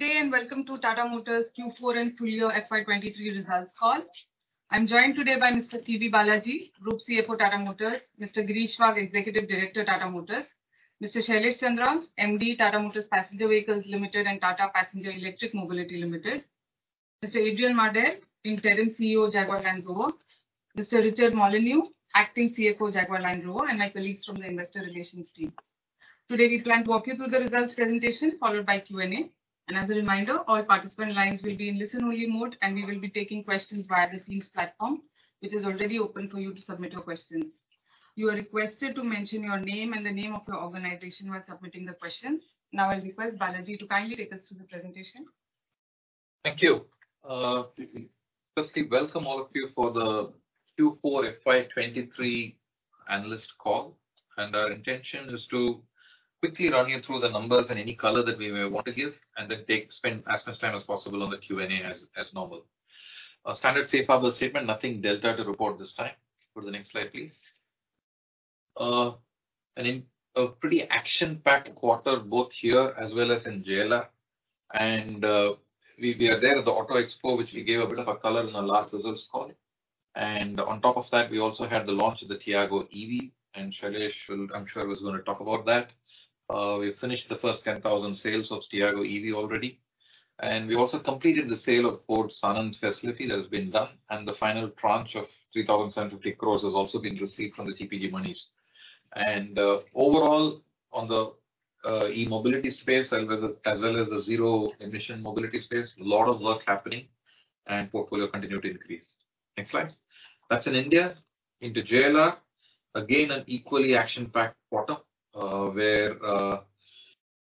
Good day, welcome to Tata Motors Q4 and Full Year FY 2023 Results Call. I am joined today by Mr. P.B. Balaji, Group CFO, Tata Motors; Mr. Girish Wagh, Executive Director, Tata Motors; Mr. Shailesh Chandra, MD, Tata Motors Passenger Vehicles Limited and Tata Passenger Electric Mobility Limited; Mr. Adrian Mardell, Interim CEO, Jaguar Land Rover; Mr. Richard Molyneux, acting CFO, Jaguar Land Rover; and my colleagues from the Investor Relations team. Today, we plan to walk you through the results presentation followed by Q&A. As a reminder, all participant lines will be in listen-only mode, and we will be taking questions via the Teams platform, which is already open for you to submit your questions. You are requested to mention your name and the name of your organization when submitting the questions. Now I request Balaji to kindly take us through the presentation. Thank you. Firstly, welcome all of you for the Q4 FY 2023 Analyst Call. Our intention is to quickly run you through the numbers and any color that we may want to give and then spend as much time as possible on the Q&A as normal. A standard safe harbor statement. Nothing delta to report this time. Go to the next slide, please. A pretty action-packed quarter, both here as well as in JLR. We are there at the Auto Expo, which we gave a bit of a color in our last results call. On top of that, we also had the launch of the Tiago EV, and Shailesh will, I'm sure, is gonna talk about that. We finished the first 10,000 sales of Tiago EV already. We also completed the sale of Ford Sanand facility. That has been done. The final tranche of 3,750 crores has also been received from the TPG monies. Overall, on the e-mobility space, as well as the zero emission mobility space, a lot of work happening and portfolio continue to increase. Next slide. That's in India. Into JLR, again, an equally action-packed quarter, where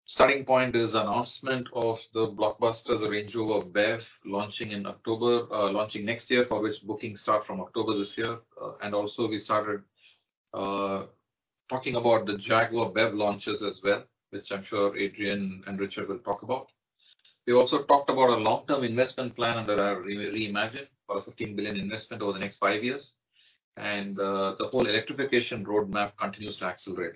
starting point is announcement of the blockbuster, the Range Rover BEV launching in October, launching next year, for which bookings start from October this year. Also we started talking about the Jaguar BEV launches as well, which I'm sure Adrian and Richard will talk about. We also talked about a long-term investment plan under our Reimagine for a 15 billion investment over the next five years. The whole electrification roadmap continues to accelerate.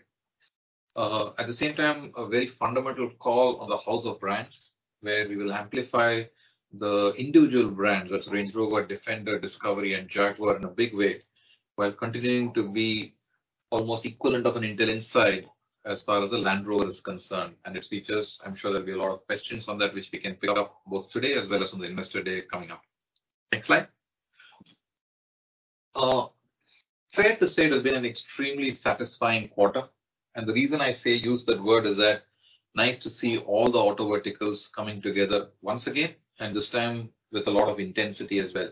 At the same time, a very fundamental call on the House of Brands, where we will amplify the individual brands, that's Range Rover, Defender, Discovery and Jaguar, in a big way, while continuing to be almost equivalent of an Intel Inside as far as the Land Rover is concerned. Its features, I'm sure there'll be a lot of questions on that which we can pick up both today as well as on the Investor Day coming up. Next slide. Fair to say it has been an extremely satisfying quarter. The reason I use that word is that nice to see all the auto verticals coming together once again, and this time with a lot of intensity as well.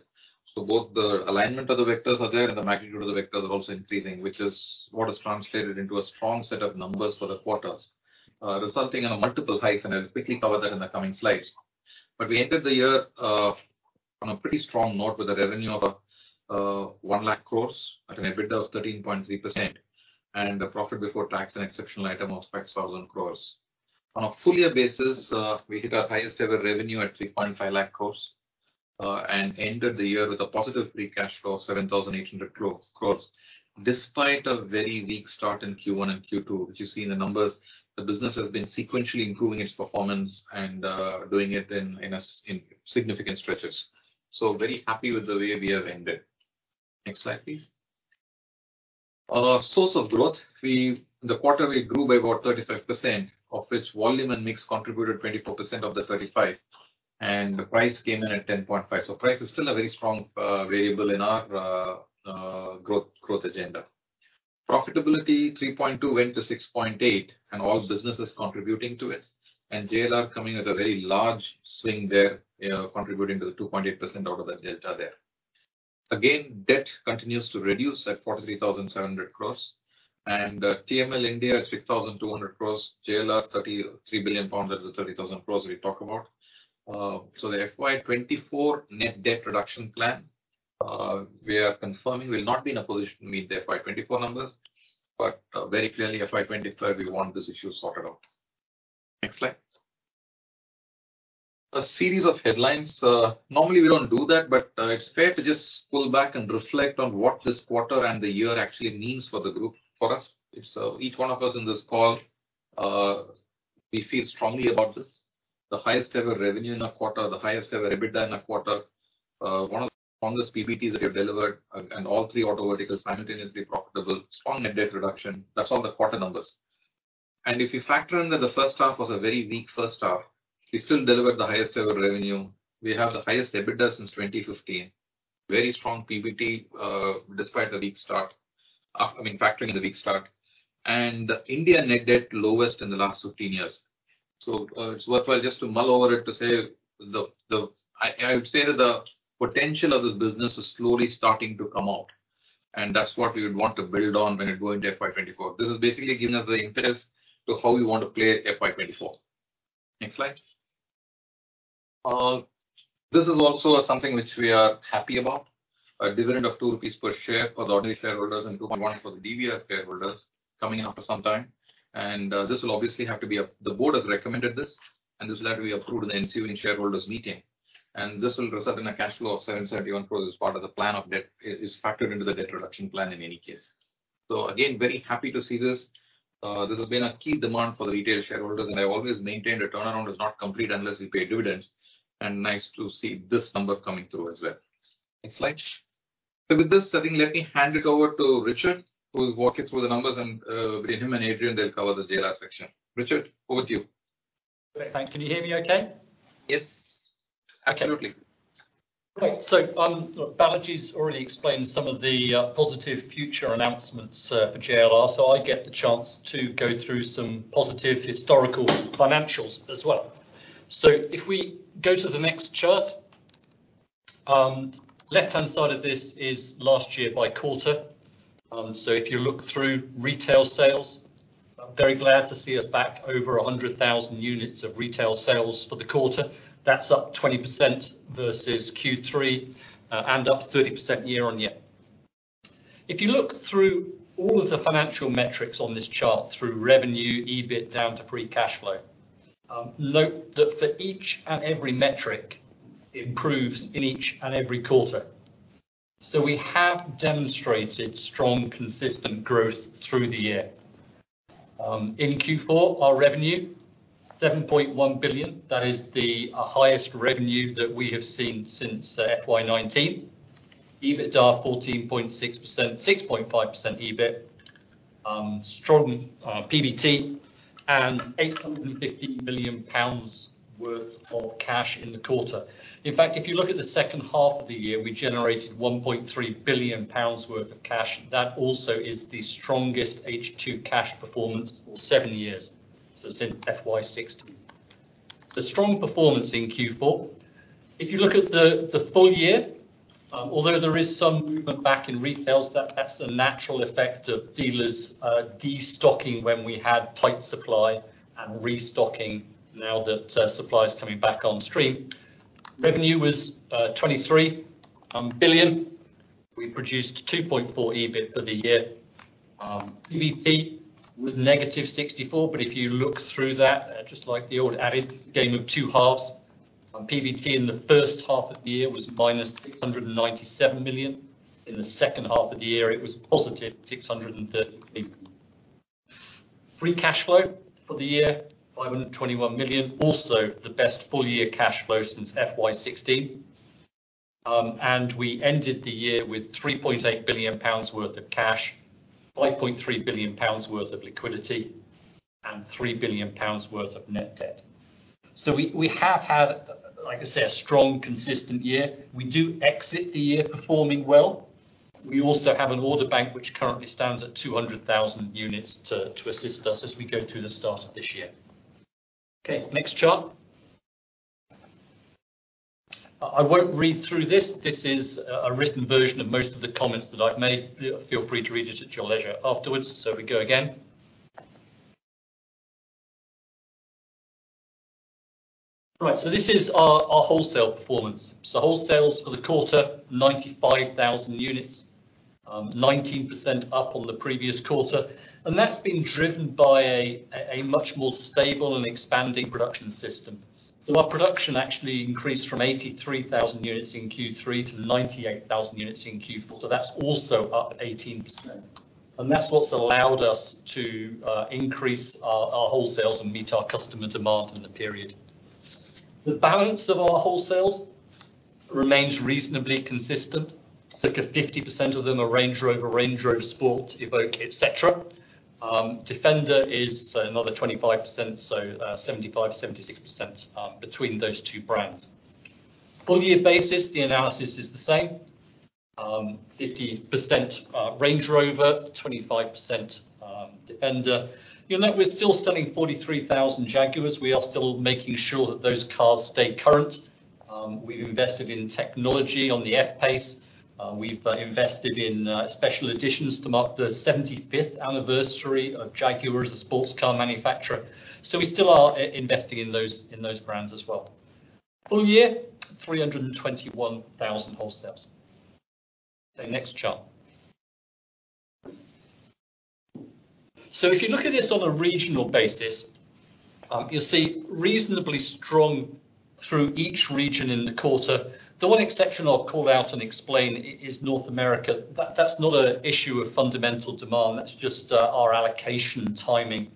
Both the alignment of the vectors are there and the magnitude of the vectors are also increasing, which is what has translated into a strong set of numbers for the quarters, resulting in a multiple highs, and I'll quickly cover that in the coming slides. We ended the year on a pretty strong note with a revenue of 1 lakh crore at an EBITDA of 13.3% and a profit before tax and exceptional item of 5,000 crore. On a full year basis, we hit our highest ever revenue at 3.5 lakh crore and ended the year with a positive free cash flow of 7,800 crore. Despite a very weak start in Q1 and Q2, which you see in the numbers, the business has been sequentially improving its performance and doing it in significant stretches. Very happy with the way we have ended. Next slide, please. Source of growth. The quarter, we grew by about 35%, of which volume and mix contributed 24% of the 35, and the price came in at 10.5. Price is still a very strong variable in our growth agenda. Profitability, 3.2% went to 6.8%, and all business is contributing to it. JLR coming at a very large swing there, contributing to the 2.8% out of the delta there. Again, debt continues to reduce at 43,700 crores. TML India at 6,200 crores. JLR, 3 billion pounds, that is the 30,000 crores we talk about. The FY 2024 net debt reduction plan, we are confirming we'll not be in a position to meet the FY 2024 numbers, but very clearly, FY 2025, we want this issue sorted out. Next slide. A series of headlines. Normally we don't do that, but it's fair to just pull back and reflect on what this quarter and the year actually means for the group, for us. It's each one of us in this call, we feel strongly about this. The highest ever revenue in a quarter, the highest ever EBITDA in a quarter, one of the strongest PBTs that we have delivered, and all three auto verticals simultaneously profitable, strong net debt reduction. That's all the quarter numbers. If you factor in that the first half was a very weak first half, we still delivered the highest ever revenue. We have the highest EBITDA since 2015. Very strong PBT, I mean, factoring in the weak start. India net debt lowest in the last 15 years. It's worthwhile just to mull over it to say I would say that the potential of this business is slowly starting to come out, and that's what we would want to build on when we go into FY 2024. This has basically given us the interest to how we want to play FY 2024. Next slide. This is also something which we are happy about. A dividend of 2 rupees per share for the ordinary shareholders and 2.1 for the DVR shareholders coming after some time. The board has recommended this, and this will have to be approved in the ensuing shareholders meeting. This will result in a cash flow of 771 crores as part of the plan of debt, is factored into the debt reduction plan in any case. Again, very happy to see this. This has been a key demand for the retail shareholders. I always maintain the turnaround is not complete unless we pay dividends. Nice to see this number coming through as well. Next slide. With this, I think, let me hand it over to Richard, who will walk you through the numbers and between him and Adrian, they'll cover the JLR section. Richard, over to you. Great. Thanks. Can you hear me okay? Yes. Absolutely. Okay. Balaji's already explained some of the positive future announcements for JLR, I get the chance to go through some positive historical financials as well. If we go to the next chart, left-hand side of this is last year by quarter. If you look through retail sales, I'm very glad to see us back over 100,000 units of retail sales for the quarter. That's up 20% versus Q3, and up 30% year-on-year. If you look through all of the financial metrics on this chart through revenue, EBIT, down to free cash flow, note that for each and every metric improves in each and every quarter. We have demonstrated strong, consistent growth through the year. In Q4, our revenue, 7.1 billion. That is the highest revenue that we have seen since FY 2019. EBITDA, 14.6%, 6.5% EBIT. Strong PBT, and 850 million pounds worth of cash in the quarter. If you look at the second half of the year, we generated 1.3 billion pounds worth of cash. That also is the strongest H2 cash performance for seven years, since FY 2016. Strong performance in Q4. If you look at the full year, although there is some movement back in retails, that's a natural effect of dealers destocking when we had tight supply and restocking now that supply is coming back on stream. Revenue was 23 billion. We produced 2.4 billion EBIT for the year. PBT was -64 million, if you look through that, just like the old adage, game of two halves. PBT in the first half of the year was -697 million. In the second half of the year, it was positive 638 million. Free cash flow for the year, 521 million. Also, the best full year cash flow since FY 2016. We ended the year with 3.8 billion pounds worth of cash, 5.3 billion pounds worth of liquidity, and 3 billion pounds worth of net debt. We have had, like I say, a strong, consistent year. We do exit the year performing well. We also have an order bank, which currently stands at 200,000 units to assist us as we go through the start of this year. Okay, next chart. I won't read through this. This is a written version of most of the comments that I've made. Feel free to read it at your leisure afterwards. We go again. Right. This is our wholesale performance. Wholesales for the quarter, 95,000 units, 19% up on the previous quarter. That's been driven by a much more stable and expanding production system. Our production actually increased from 83,000 units in Q3 to 98,000 units in Q4. That's also up 18%. That's what's allowed us to increase our wholesales and meet our customer demand in the period. The balance of our wholesales remains reasonably consistent. Circa 50% of them are Range Rover, Range Rover Sport, Evoque, et cetera. Defender is another 25%, so 75%, 76% between those two brands. Full year basis, the analysis is the same. 50% Range Rover, 25% Defender. You'll note we're still selling 43,000 Jaguars. We are still making sure that those cars stay current. We've invested in technology on the F-Pace. We've invested in special editions to mark the 75th anniversary of Jaguar as a sports car manufacturer. We still are investing in those brands as well. Full year, 321,000 wholesales. Next chart. If you look at this on a regional basis, you'll see reasonably strong through each region in the quarter. The one exception I'll call out and explain is North America. That's not an issue of fundamental demand, that's just our allocation and timing.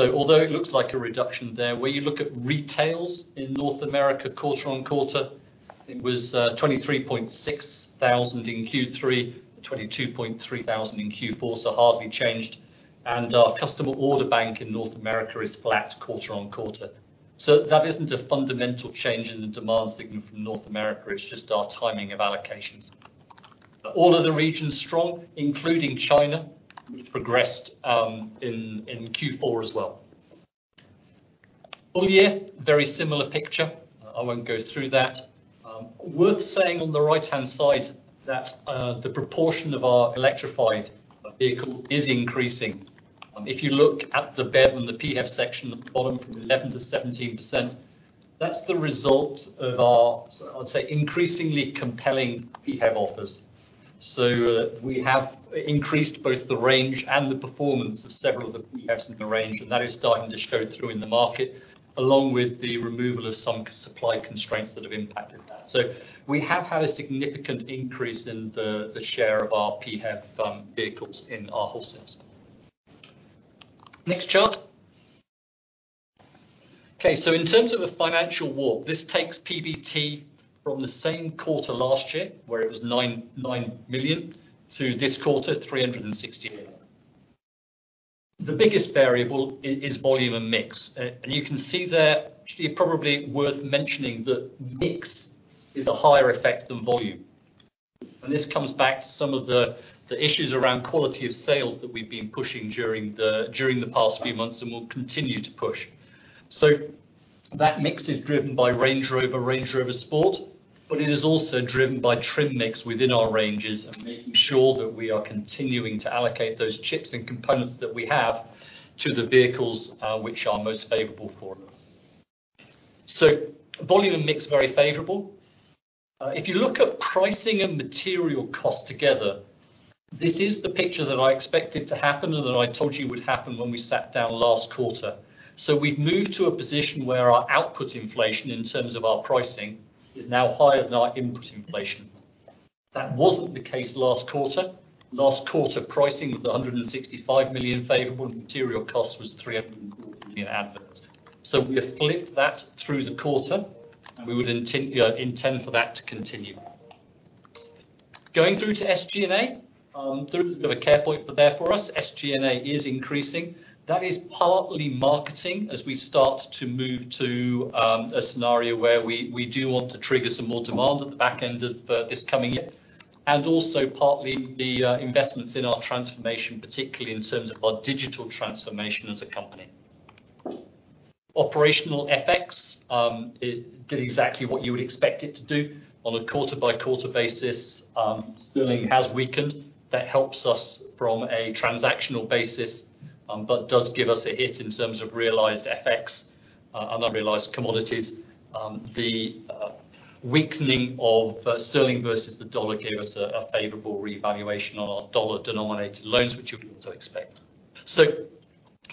Although it looks like a reduction there, where you look at retails in North America quarter-on-quarter, it was 23,600 in Q3, 22,300 in Q4, so hardly changed. Our customer order bank in North America is flat quarter-on-quarter. That isn't a fundamental change in the demand signal from North America, it's just our timing of allocations. All other regions strong, including China, which progressed in Q4 as well. Full year, very similar picture. I won't go through that. Worth saying on the right-hand side that the proportion of our electrified vehicle is increasing. If you look at the BEV and the PHEV section at the bottom from 11%-17%, that's the result of our, I'll say, increasingly compelling PHEV offers. We have increased both the range and the performance of several of the PHEVs in the range, and that is starting to show through in the market, along with the removal of some supply constraints that have impacted that. We have had a significant increase in the share of our PHEV vehicles in our wholesales. Next chart. In terms of a financial walk, this takes PBT from the same quarter last year, where it was 9 million, to this quarter, 368 million. The biggest variable is volume and mix. You can see there, actually probably worth mentioning that mix is a higher effect than volume. This comes back to some of the issues around quality of sales that we've been pushing during the past few months and will continue to push. That mix is driven by Range Rover, Range Rover Sport, but it is also driven by trim mix within our ranges and making sure that we are continuing to allocate those chips and components that we have to the vehicles which are most favorable for us. Volume and mix, very favorable. If you look at pricing and material cost together, this is the picture that I expected to happen and that I told you would happen when we sat down last quarter. We've moved to a position where our output inflation in terms of our pricing is now higher than our input inflation. That wasn't the case last quarter. Last quarter, pricing was 165 million favorable, and material cost was 340 million adverse. We have flipped that through the quarter, and we would intend for that to continue. Going through to SG&A, through a bit of a care point there for us, SG&A is increasing. That is partly marketing as we start to move to a scenario where we do want to trigger some more demand at the back end of this coming year, and also partly the investments in our transformation, particularly in terms of our digital transformation as a company. Operational FX, it did exactly what you would expect it to do. On a quarter-by-quarter basis, sterling has weakened. That helps us from a transactional basis, but does give us a hit in terms of realized FX and unrealized commodities. The weakening of sterling versus the dollar gave us a favorable revaluation on our dollar-denominated loans, which you would also expect.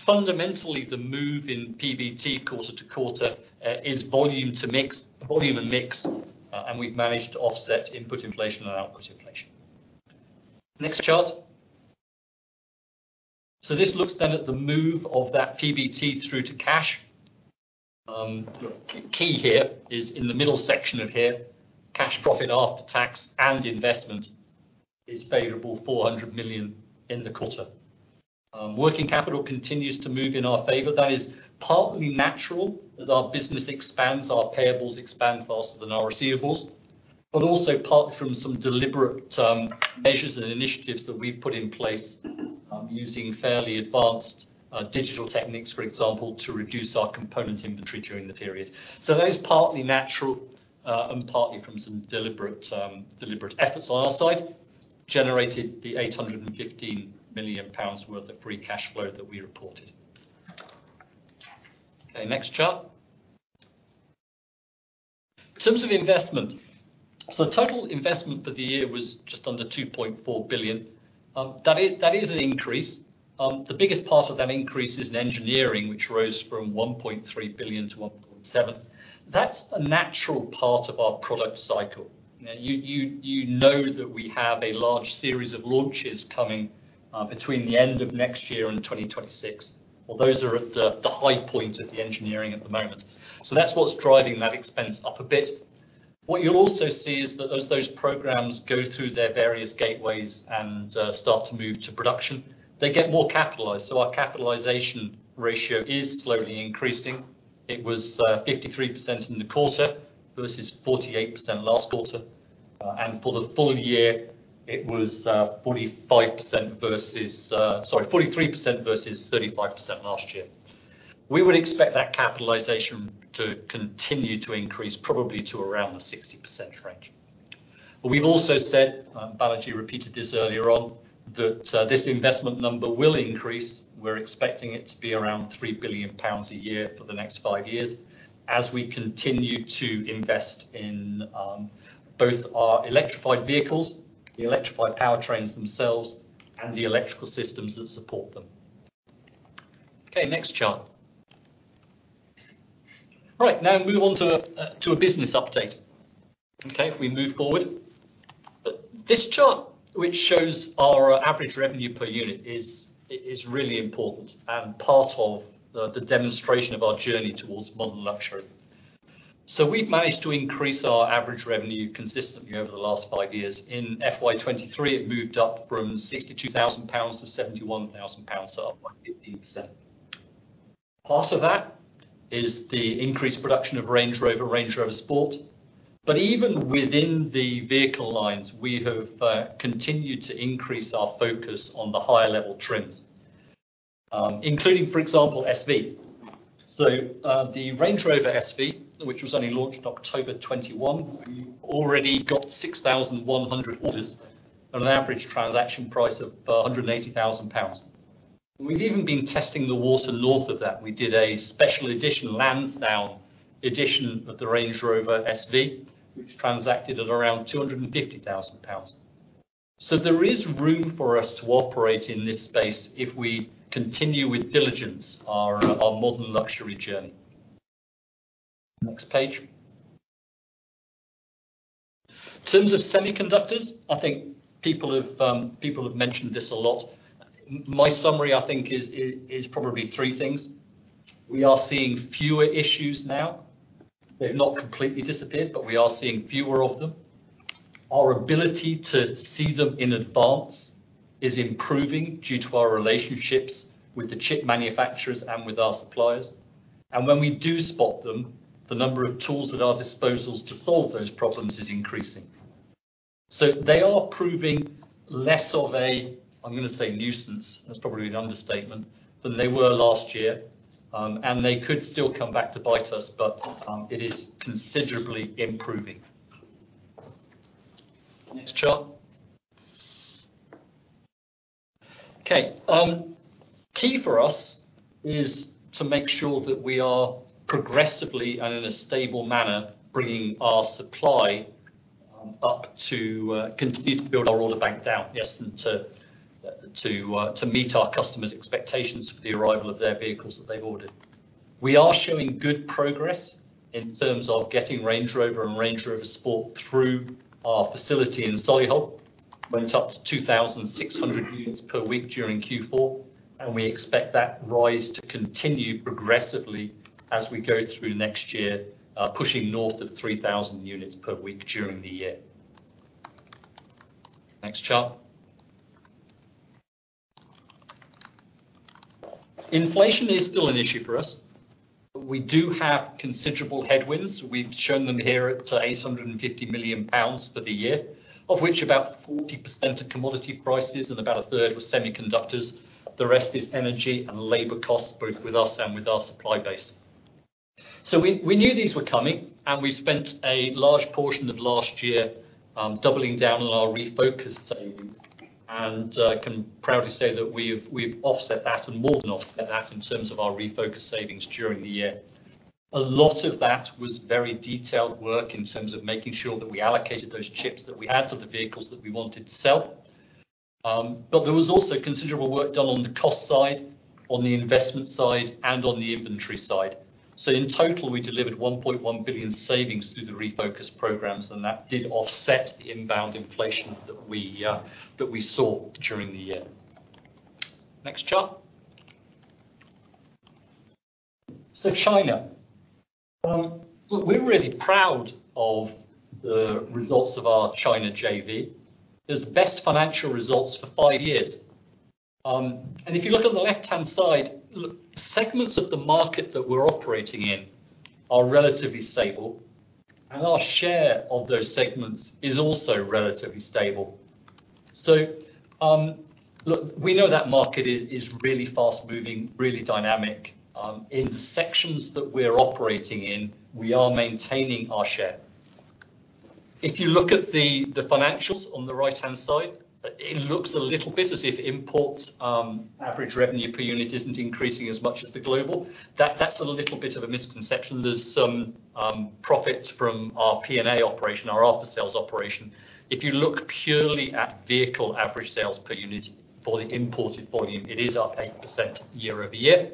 Fundamentally, the move in PBT quarter-to-quarter is volume to mix, volume and mix, and we've managed to offset input inflation and output inflation. Next chart. This looks then at the move of that PBT through to cash. The key here is in the middle section of here, cash profit after tax and investment is favorable, 400 million in the quarter. Working capital continues to move in our favor. That is partly natural. As our business expands, our payables expand faster than our receivables. Also partly from some deliberate measures and initiatives that we've put in place, using fairly advanced digital techniques, for example, to reduce our component inventory during the period. That is partly natural, and partly from some deliberate efforts on our side, generated the 815 million pounds worth of free cash flow that we reported. Next chart. In terms of investment, total investment for the year was just under 2.4 billion. That is an increase. The biggest part of that increase is in engineering, which rose from 1.3 billion-1.7 billion. That's a natural part of our product cycle. Now, you know that we have a large series of launches coming between the end of next year and 2026. Well, those are at the high point of the engineering at the moment. That's what's driving that expense up a bit. What you'll also see is that as those programs go through their various gateways and start to move to production, they get more capitalized. Our capitalization ratio is slowly increasing. It was 53% in the quarter versus 48% last quarter. For the full year, it was, sorry, 43% versus 35% last year. We would expect that capitalization to continue to increase, probably to around the 60% range. We've also said, Balaji repeated this earlier on, that this investment number will increase. We're expecting it to be around 3 billion pounds a year for the next five years as we continue to invest in both our electrified vehicles, the electrified powertrains themselves, and the electrical systems that support them. Okay, next chart. Right, now moving on to a business update. Okay, if we move forward. This chart, which shows our average revenue per unit, is really important and part of the demonstration of our journey towards modern luxury. We've managed to increase our average revenue consistently over the last five years. In FY 2023, it moved up from 62,000-71,000 pounds, up by 15%. Part of that is the increased production of Range Rover, Range Rover Sport. Even within the vehicle lines, we have continued to increase our focus on the higher level trims, including, for example, SV. The Range Rover SV, which was only launched October 2021, we already got 6,100 orders at an average transaction price of 180,000 pounds. We've even been testing the water north of that. We did a special Edition, Lansdowne Edition of the Range Rover SV, which transacted at around 250,000 pounds. There is room for us to operate in this space if we continue with diligence our modern luxury journey. Next page. In terms of semiconductors, I think people have mentioned this a lot. My summary, I think, is probably three things. We are seeing fewer issues now. They've not completely disappeared, but we are seeing fewer of them. Our ability to see them in advance is improving due to our relationships with the chip manufacturers and with our suppliers. When we do spot them, the number of tools at our disposals to solve those problems is increasing. They are proving less of a, I'm gonna say nuisance, that's probably an understatement, than they were last year. They could still come back to bite us, but it is considerably improving. Next chart. Okay. Key for us is to make sure that we are progressively and in a stable manner, bringing our supply up to continue to build our order bank down. Yes, and to to to meet our customers' expectations for the arrival of their vehicles that they've ordered. We are showing good progress in terms of getting Range Rover and Range Rover Sport through our facility in Solihull. Went up to 2,600 units per week during Q4. We expect that rise to continue progressively as we go through next year, pushing north of 3,000 units per week during the year. Next chart. Inflation is still an issue for us. We do have considerable headwinds. We've shown them here at 850 million pounds for the year, of which about 40% are commodity prices and about a third was semiconductors. The rest is energy and labor cost, both with us and with our supply base. We knew these were coming. We spent a large portion of last year, doubling down on our Refocus savings. Can proudly say that we've offset that and more than offset that in terms of our Refocus savings during the year. A lot of that was very detailed work in terms of making sure that we allocated those chips that we had for the vehicles that we wanted to sell. There was also considerable work done on the cost side, on the investment side, and on the inventory side. In total, we delivered 1.1 billion savings through the Refocus programs, and that did offset the inbound inflation that we saw during the year. Next chart. China. Look, we're really proud of the results of our China JV. It is the best financial results for five years. If you look on the left-hand side, look, the segments of the market that we're operating in are relatively stable, and our share of those segments is also relatively stable. Look, we know that market is really fast-moving, really dynamic. In the sections that we're operating in, we are maintaining our share. If you look at the financials on the right-hand side, it looks a little bit as if imports, average revenue per unit isn't increasing as much as the global. That's a little bit of a misconception. There's some profits from our PNA operation, our after-sales operation. If you look purely at vehicle average sales per unit for the imported volume, it is up 8% year-over-year.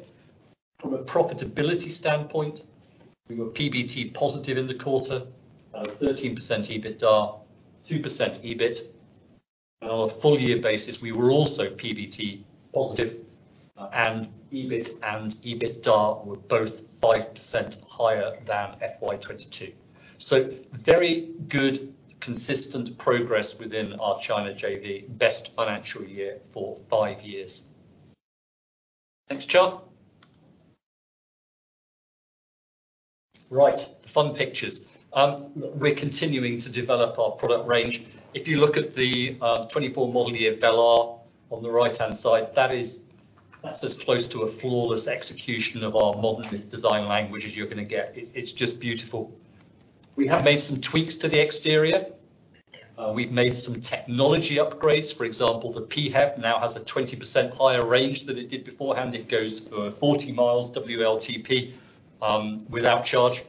From a profitability standpoint, we were PBT positive in the quarter, 13% EBITDA, 2% EBIT. On a full year basis, we were also PBT positive, and EBIT and EBITDA were both 5% higher than FY 2022. Very good, consistent progress within our China JV. Best financial year for five years. Next chart. Right. Fun pictures. We're continuing to develop our product range. If you look at the 2024 model year Velar on the right-hand side, that's as close to a flawless execution of our modernist design language as you're gonna get. It's just beautiful. We have made some tweaks to the exterior. We've made some technology upgrades. For example, the PHEV now has a 20% higher range than it did beforehand. It goes 40 miles WLTP without charge.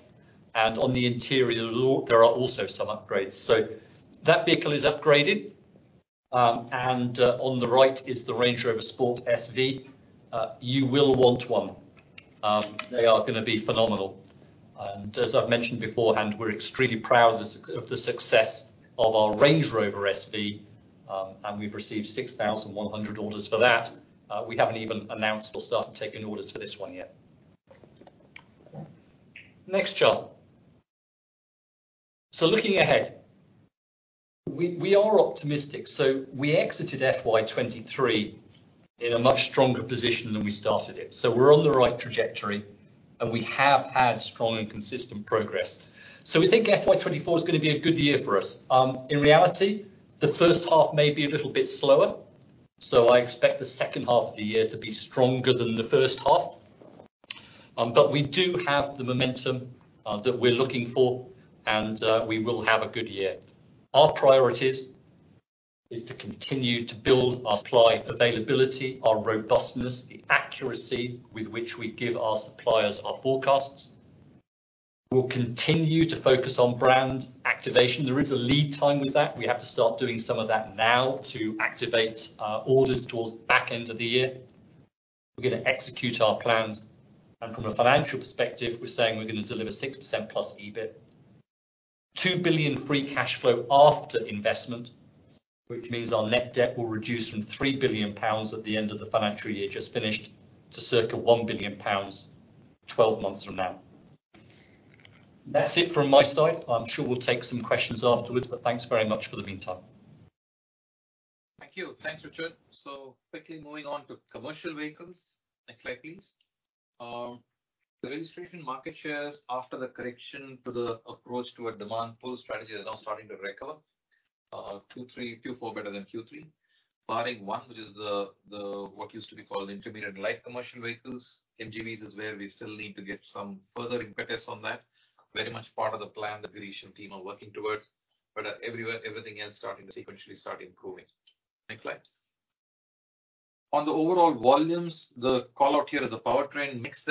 On the interior, there are also some upgrades. That vehicle is upgraded. On the right is the Range Rover Sport SV. You will want one. They are gonna be phenomenal. As I've mentioned beforehand, we're extremely proud of the success of our Range Rover SV, and we've received 6,100 orders for that. We haven't even announced or started taking orders for this one yet. Next chart. Looking ahead, we are optimistic. We exited FY 2023 in a much stronger position than we started it. We're on the right trajectory, and we have had strong and consistent progress. We think FY 2024 is gonna be a good year for us. In reality, the first half may be a little bit slower, I expect the second half of the year to be stronger than the first half. We do have the momentum that we're looking for and we will have a good year. Our priorities is to continue to build our supply availability, our robustness, the accuracy with which we give our suppliers our forecasts. We'll continue to focus on brand activation. There is a lead time with that. We have to start doing some of that now to activate orders towards back end of the year. We're gonna execute our plans. From a financial perspective, we're saying we're gonna deliver 6%+ EBIT. 2 billion free cash flow after investment, which means our net debt will reduce from 3 billion pounds at the end of the financial year just finished, to circa 1 billion pounds 12 months from now. That's it from my side. I'm sure we'll take some questions afterwards, thanks very much for the meantime. Thank you. Thanks, Richard. Quickly moving on to commercial vehicles. Next slide, please. The registration market shares after the correction to the approach to a demand pull strategy are now starting to recover. Q4 better than Q3. Barring one, which is the what used to be called intermediate light commercial vehicles. MHCV is where we still need to get some further impetus on that. Very much part of the plan the Girish and team are working towards. Everything else starting to sequentially start improving. Next slide. On the overall volumes, the callout here is the powertrain mix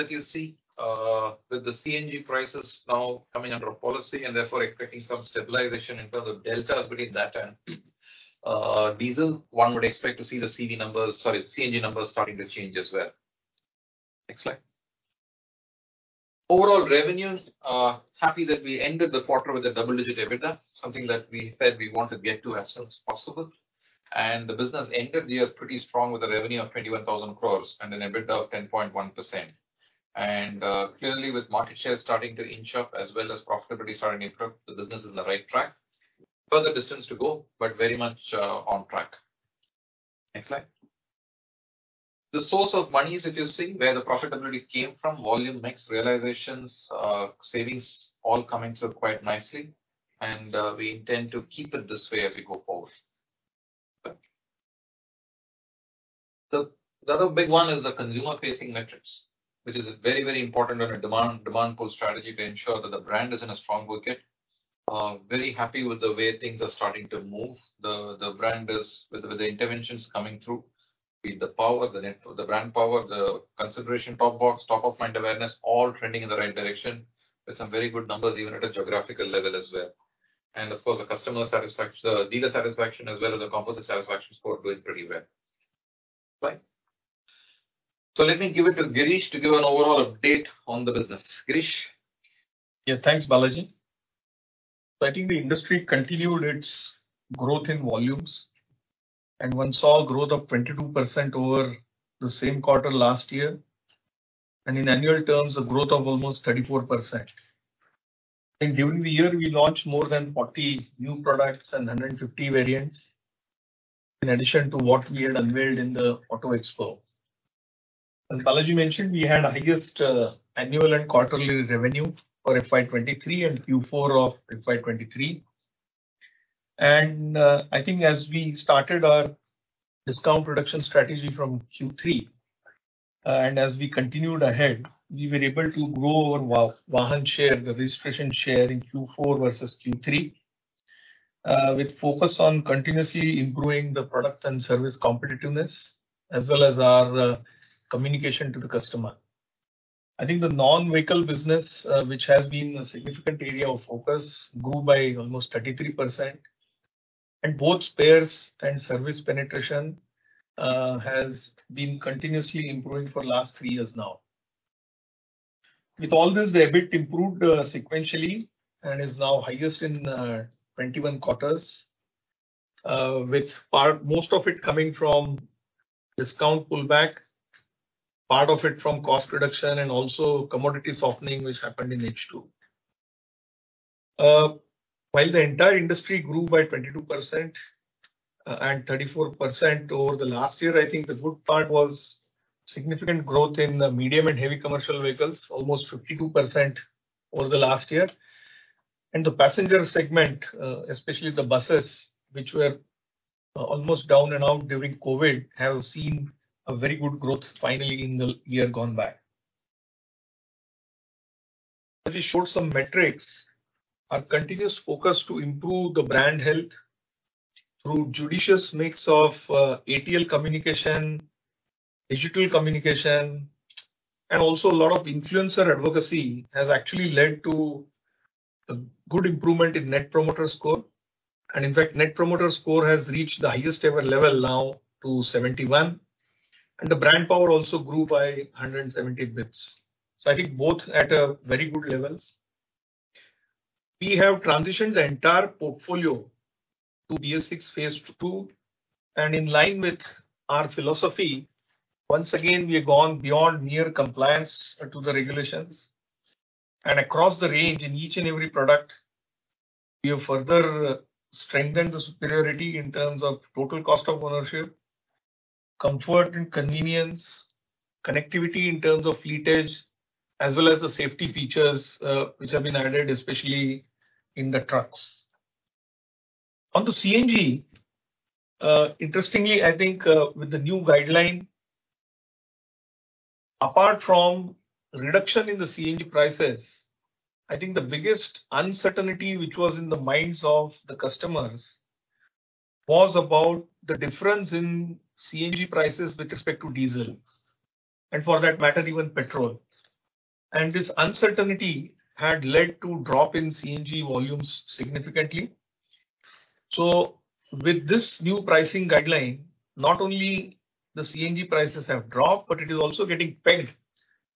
that you see, with the CNG prices now coming under a policy and therefore expecting some stabilization in terms of deltas between that and diesel. One would expect to see the CV numbers, sorry, CNG numbers starting to change as well. Next slide. Overall revenue, happy that we ended the quarter with a double-digit EBITDA, something that we said we want to get to as soon as possible. The business ended the year pretty strong with a revenue of 21,000 crores and an EBITDA of 10.1%. Clearly with market share starting to inch up as well as profitability starting to improve, the business is on the right track. Further distance to go, but very much on track. Next slide. The source of monies, if you see, where the profitability came from, volume mix, realizations, savings, all coming through quite nicely, we intend to keep it this way as we go forward. Thank you. The other big one is the consumer-facing metrics, which is very, very important on a demand pull strategy to ensure that the brand is in a strong wicket. Very happy with the way things are starting to move. The brand is with the interventions coming through, be it the power, the brand power, the consideration top box, top of mind awareness, all trending in the right direction with some very good numbers even at a geographical level as well. Of course, the dealer satisfaction as well as the composite satisfaction score doing pretty well. Next slide. Let me give it to Girish to give an overall update on the business. Girish? Yeah, thanks, Balaji. I think the industry continued its growth in volumes and one saw growth of 22% over the same quarter last year. In annual terms, a growth of almost 34%. I think during the year, we launched more than 40 new products and 150 variants in addition to what we had unveiled in the Auto Expo. As Balaji mentioned, we had highest annual and quarterly revenue for FY 2023 and Q4 of FY 2023. I think as we started our discount production strategy from Q3, and as we continued ahead, we were able to grow our Vahan share, the registration share in Q4 versus Q3, with focus on continuously improving the product and service competitiveness as well as our communication to the customer. I think the non-vehicle business, which has been a significant area of focus, grew by almost 33%. Both spares and service penetration has been continuously improving for last three years now. All this, the EBIT improved sequentially and is now highest in 21 quarters, most of it coming from discount pullback, part of it from cost reduction and also commodity softening, which happened in H2. While the entire industry grew by 22% and 34% over the last year, I think the good part was significant growth in the medium and heavy commercial vehicles, almost 52% over the last year. The passenger segment, especially the buses, which were almost down and out during COVID, have seen a very good growth finally in the year gone by. As we showed some metrics, our continuous focus to improve the brand health through judicious mix of ATL communication, digital communication, and also a lot of influencer advocacy, has actually led to a good improvement in net promoter score. In fact, net promoter score has reached the highest ever level now to 71, and the brand power also grew by 170 basis points. I think both at very good levels. We have transitioned the entire portfolio to BS6 phase II. In line with our philosophy, once again, we have gone beyond mere compliance to the regulations. Across the range in each and every product, we have further strengthened the superiority in terms of total cost of ownership, comfort and convenience, connectivity in terms of Fleet Edge, as well as the safety features, which have been added, especially in the trucks. On to CNG, interestingly, I think, with the new guideline, apart from reduction in the CNG prices, I think the biggest uncertainty which was in the minds of the customers was about the difference in CNG prices with respect to diesel, and for that matter, even petrol. This uncertainty had led to drop in CNG volumes significantly. With this new pricing guideline, not only the CNG prices have dropped, but it is also getting pegged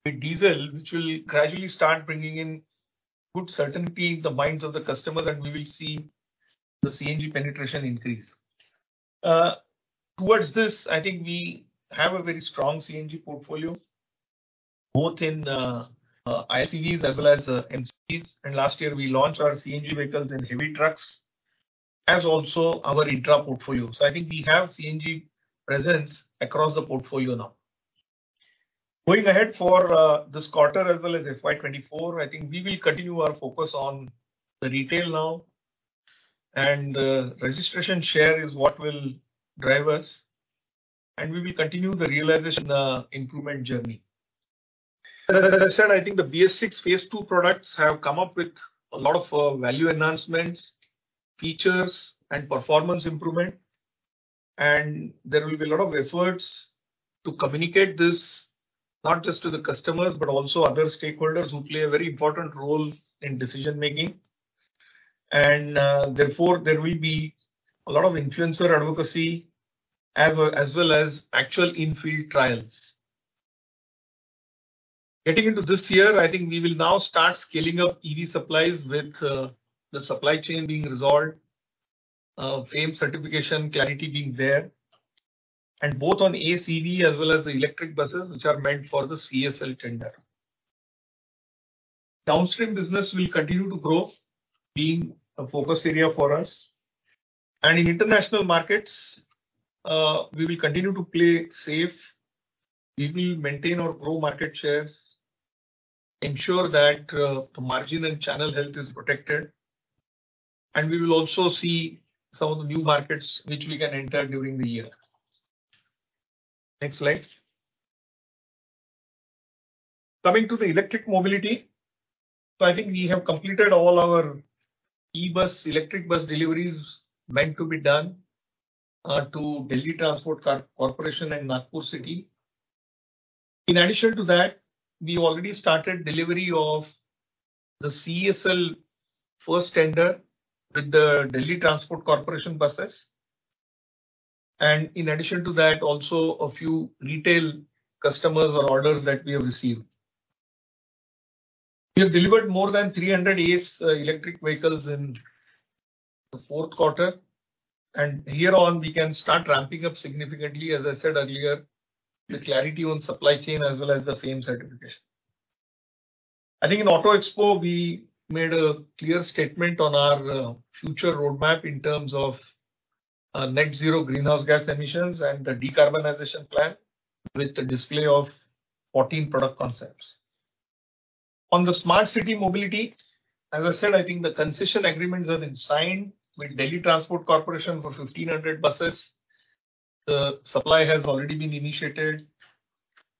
with diesel, which will gradually start bringing in good certainty in the minds of the customer, and we will see the CNG penetration increase. Towards this, I think we have a very strong CNG portfolio, both in ICEs as well as MCs. Last year we launched our CNG vehicles in heavy trucks, as also our Intra portfolio. I think we have CNG presence across the portfolio now. Going ahead for, this quarter as well as FY 2024, I think we will continue our focus on the retail now, and, registration share is what will drive us, and we will continue the realization, improvement journey. As I said, I think the BS6 phase II products have come up with a lot of, value enhancements, features, and performance improvement. There will be a lot of efforts to communicate this, not just to the customers, but also other stakeholders who play a very important role in decision-making. Therefore, there will be a lot of influencer advocacy as well as actual in-field trials. Getting into this year, I think we will now start scaling up EV supplies with, the supply chain being resolved, FAME certification clarity being there. Both on Ace EV as well as the electric buses, which are meant for the CESL tender. Downstream business will continue to grow, being a focus area for us. In international markets, we will continue to play safe. We will maintain or grow market shares, ensure that the margin and channel health is protected, and we will also see some of the new markets which we can enter during the year. Next slide. Coming to the electric mobility. I think we have completed all our electric bus deliveries meant to be done to Delhi Transport Corporation and Nagpur City. In addition to that, we already started delivery of the CESL first tender with the Delhi Transport Corporation buses. In addition to that, also a few retail customers or orders that we have received. We have delivered more than 300 ACE electric vehicles in the fourth quarter. Here on we can start ramping up significantly, as I said earlier, with clarity on supply chain as well as the FAME certification. I think in Auto Expo we made a clear statement on our future roadmap in terms of net zero greenhouse gas emissions and the decarbonization plan with the display of 14 product concepts. On the smart city mobility, as I said, I think the concession agreements have been signed with Delhi Transport Corporation for 1,500 buses. The supply has already been initiated,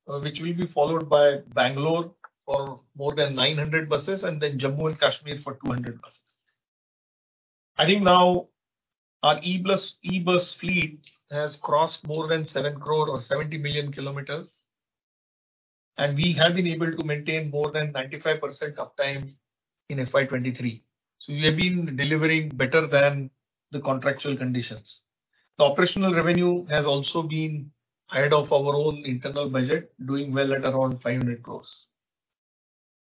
which will be followed by Bangalore for more than 900 buses and then Jammu and Kashmir for 200 buses. I think now our e-bus fleet has crossed more than seven crore or 70 million kilometers, we have been able to maintain more than 95% uptime in FY 2023. We have been delivering better than the contractual conditions. The operational revenue has also been ahead of our own internal budget, doing well at around 500 crores.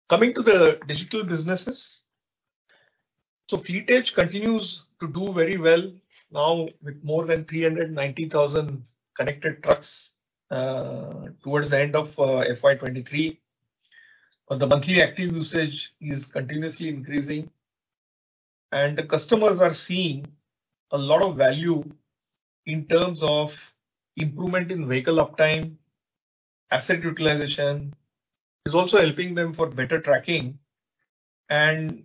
Coming to the digital businesses. Fleet Edge continues to do very well now with more than 390,000 connected trucks towards the end of FY 2023. The monthly active usage is continuously increasing. The customers are seeing a lot of value in terms of improvement in vehicle uptime, asset utilization. It's also helping them for better tracking and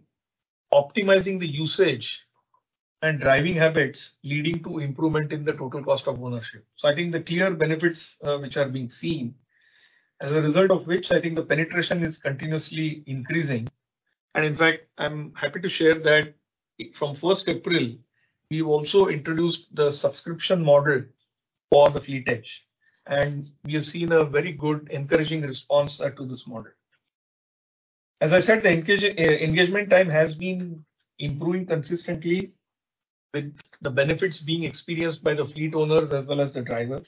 optimizing the usage and driving habits leading to improvement in the total cost of ownership. I think the clear benefits, which are being seen, as a result of which I think the penetration is continuously increasing. In fact, I'm happy to share that from first April, we've also introduced the subscription model for the Fleet Edge, and we have seen a very good encouraging response to this model. As I said, the engagement time has been improving consistently with the benefits being experienced by the fleet owners as well as the drivers.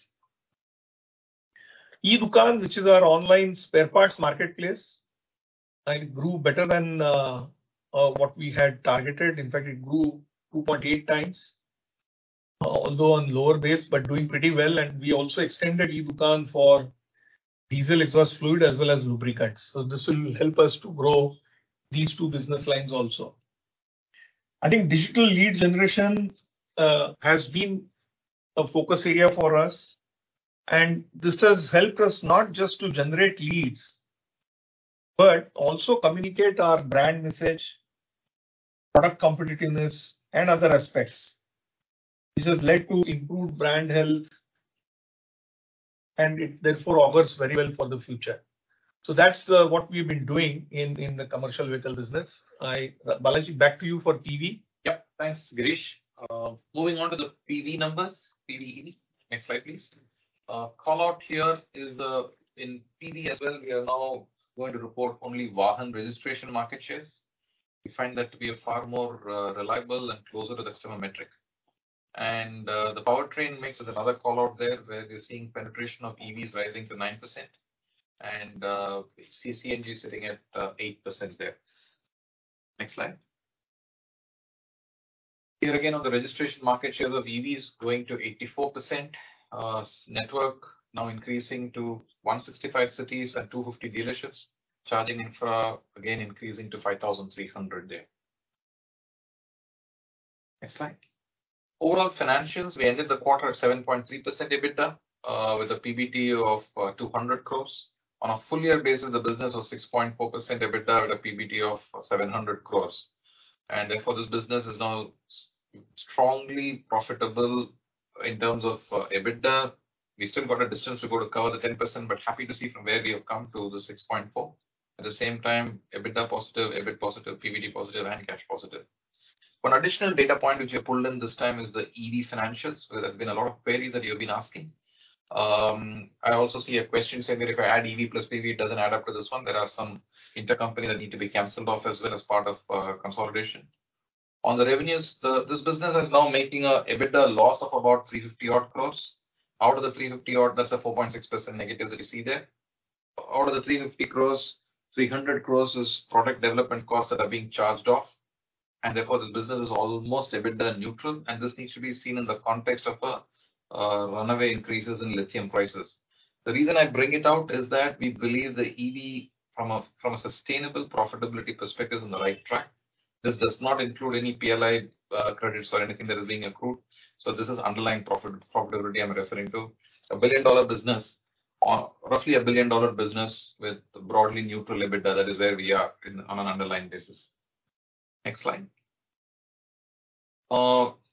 e-Dukaan, which is our online spare parts marketplace, it grew better than what we had targeted. In fact, it grew 2.8x, although on lower base, but doing pretty well. We also extended e-Dukaan for diesel exhaust fluid as well as lubricants. This will help us to grow these two business lines also. I think digital lead generation has been a focus area for us, and this has helped us not just to generate leads, but also communicate our brand message, product competitiveness and other aspects. This has led to improved brand health, and it therefore augurs very well for the future. That's what we've been doing in the commercial vehicle business. I, Balaji, back to you for PV. Thanks, Girish. Moving on to the PV numbers. PV&E. Next slide, please. Call out here is the, in PV as well, we are now going to report only Vahan registration market shares. We find that to be a far more reliable and closer to the customer metric. The powertrain mix is another call-out there, where we're seeing penetration of EVs rising to 9% and we see CNG sitting at 8% there. Next slide. Here again, on the registration market shares of EVs growing to 84%. Network now increasing to 165 cities and 250 dealerships. Charging infra again increasing to 5,300 there. Next slide. Overall financials, we ended the quarter at 7.3% EBITDA, with a PBT of 200 crores. On a full year basis, the business was 6.4% EBITDA with a PBT of 700 crore. Therefore, this business is now strongly profitable in terms of EBITDA. We've still got a distance to go to cover the 10%, but happy to see from where we have come to the 6.4%. At the same time, EBITDA positive, EBIT positive, PBT positive, and cash positive. One additional data point which we have pulled in this time is the EV financials. There has been a lot of queries that you've been asking. I also see a question saying that if I add EV + PBT, it doesn't add up to this one. There are some intercompany that need to be canceled off as well as part of consolidation. On the revenues, this business is now making a EBITDA loss of about 350 odd crores. Out of the 350 odd, that's a 4.6% negative that you see there. Out of the 350 crores, 300 crores is product development costs that are being charged off, and therefore this business is almost EBITDA neutral, and this needs to be seen in the context of runaway increases in lithium prices. The reason I bring it out is that we believe the EV from a, from a sustainable profitability perspective is on the right track. This does not include any PLI credits or anything that is being accrued, so this is underlying profitability I'm referring to. A billion-dollar business or roughly a billion-dollar business with broadly neutral EBITDA, that is where we are on an underlying basis. Next slide.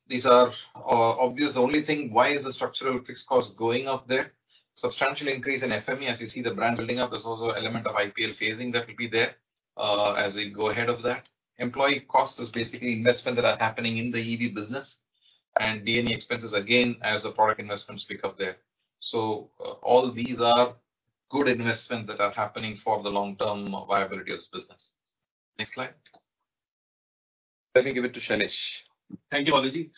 These are obvious. The only thing, why is the structural fixed cost going up there? Substantial increase in FME, as you see the brand building up. There's also element of IPL phasing that will be there, as we go ahead of that. Employee cost is basically investment that are happening in the EV business. D&E expenses, again, as the product investments pick up there. All these are good investments that are happening for the long-term viability of this business. Next slide. Let me give it to Shailesh. Thank you, Balaji.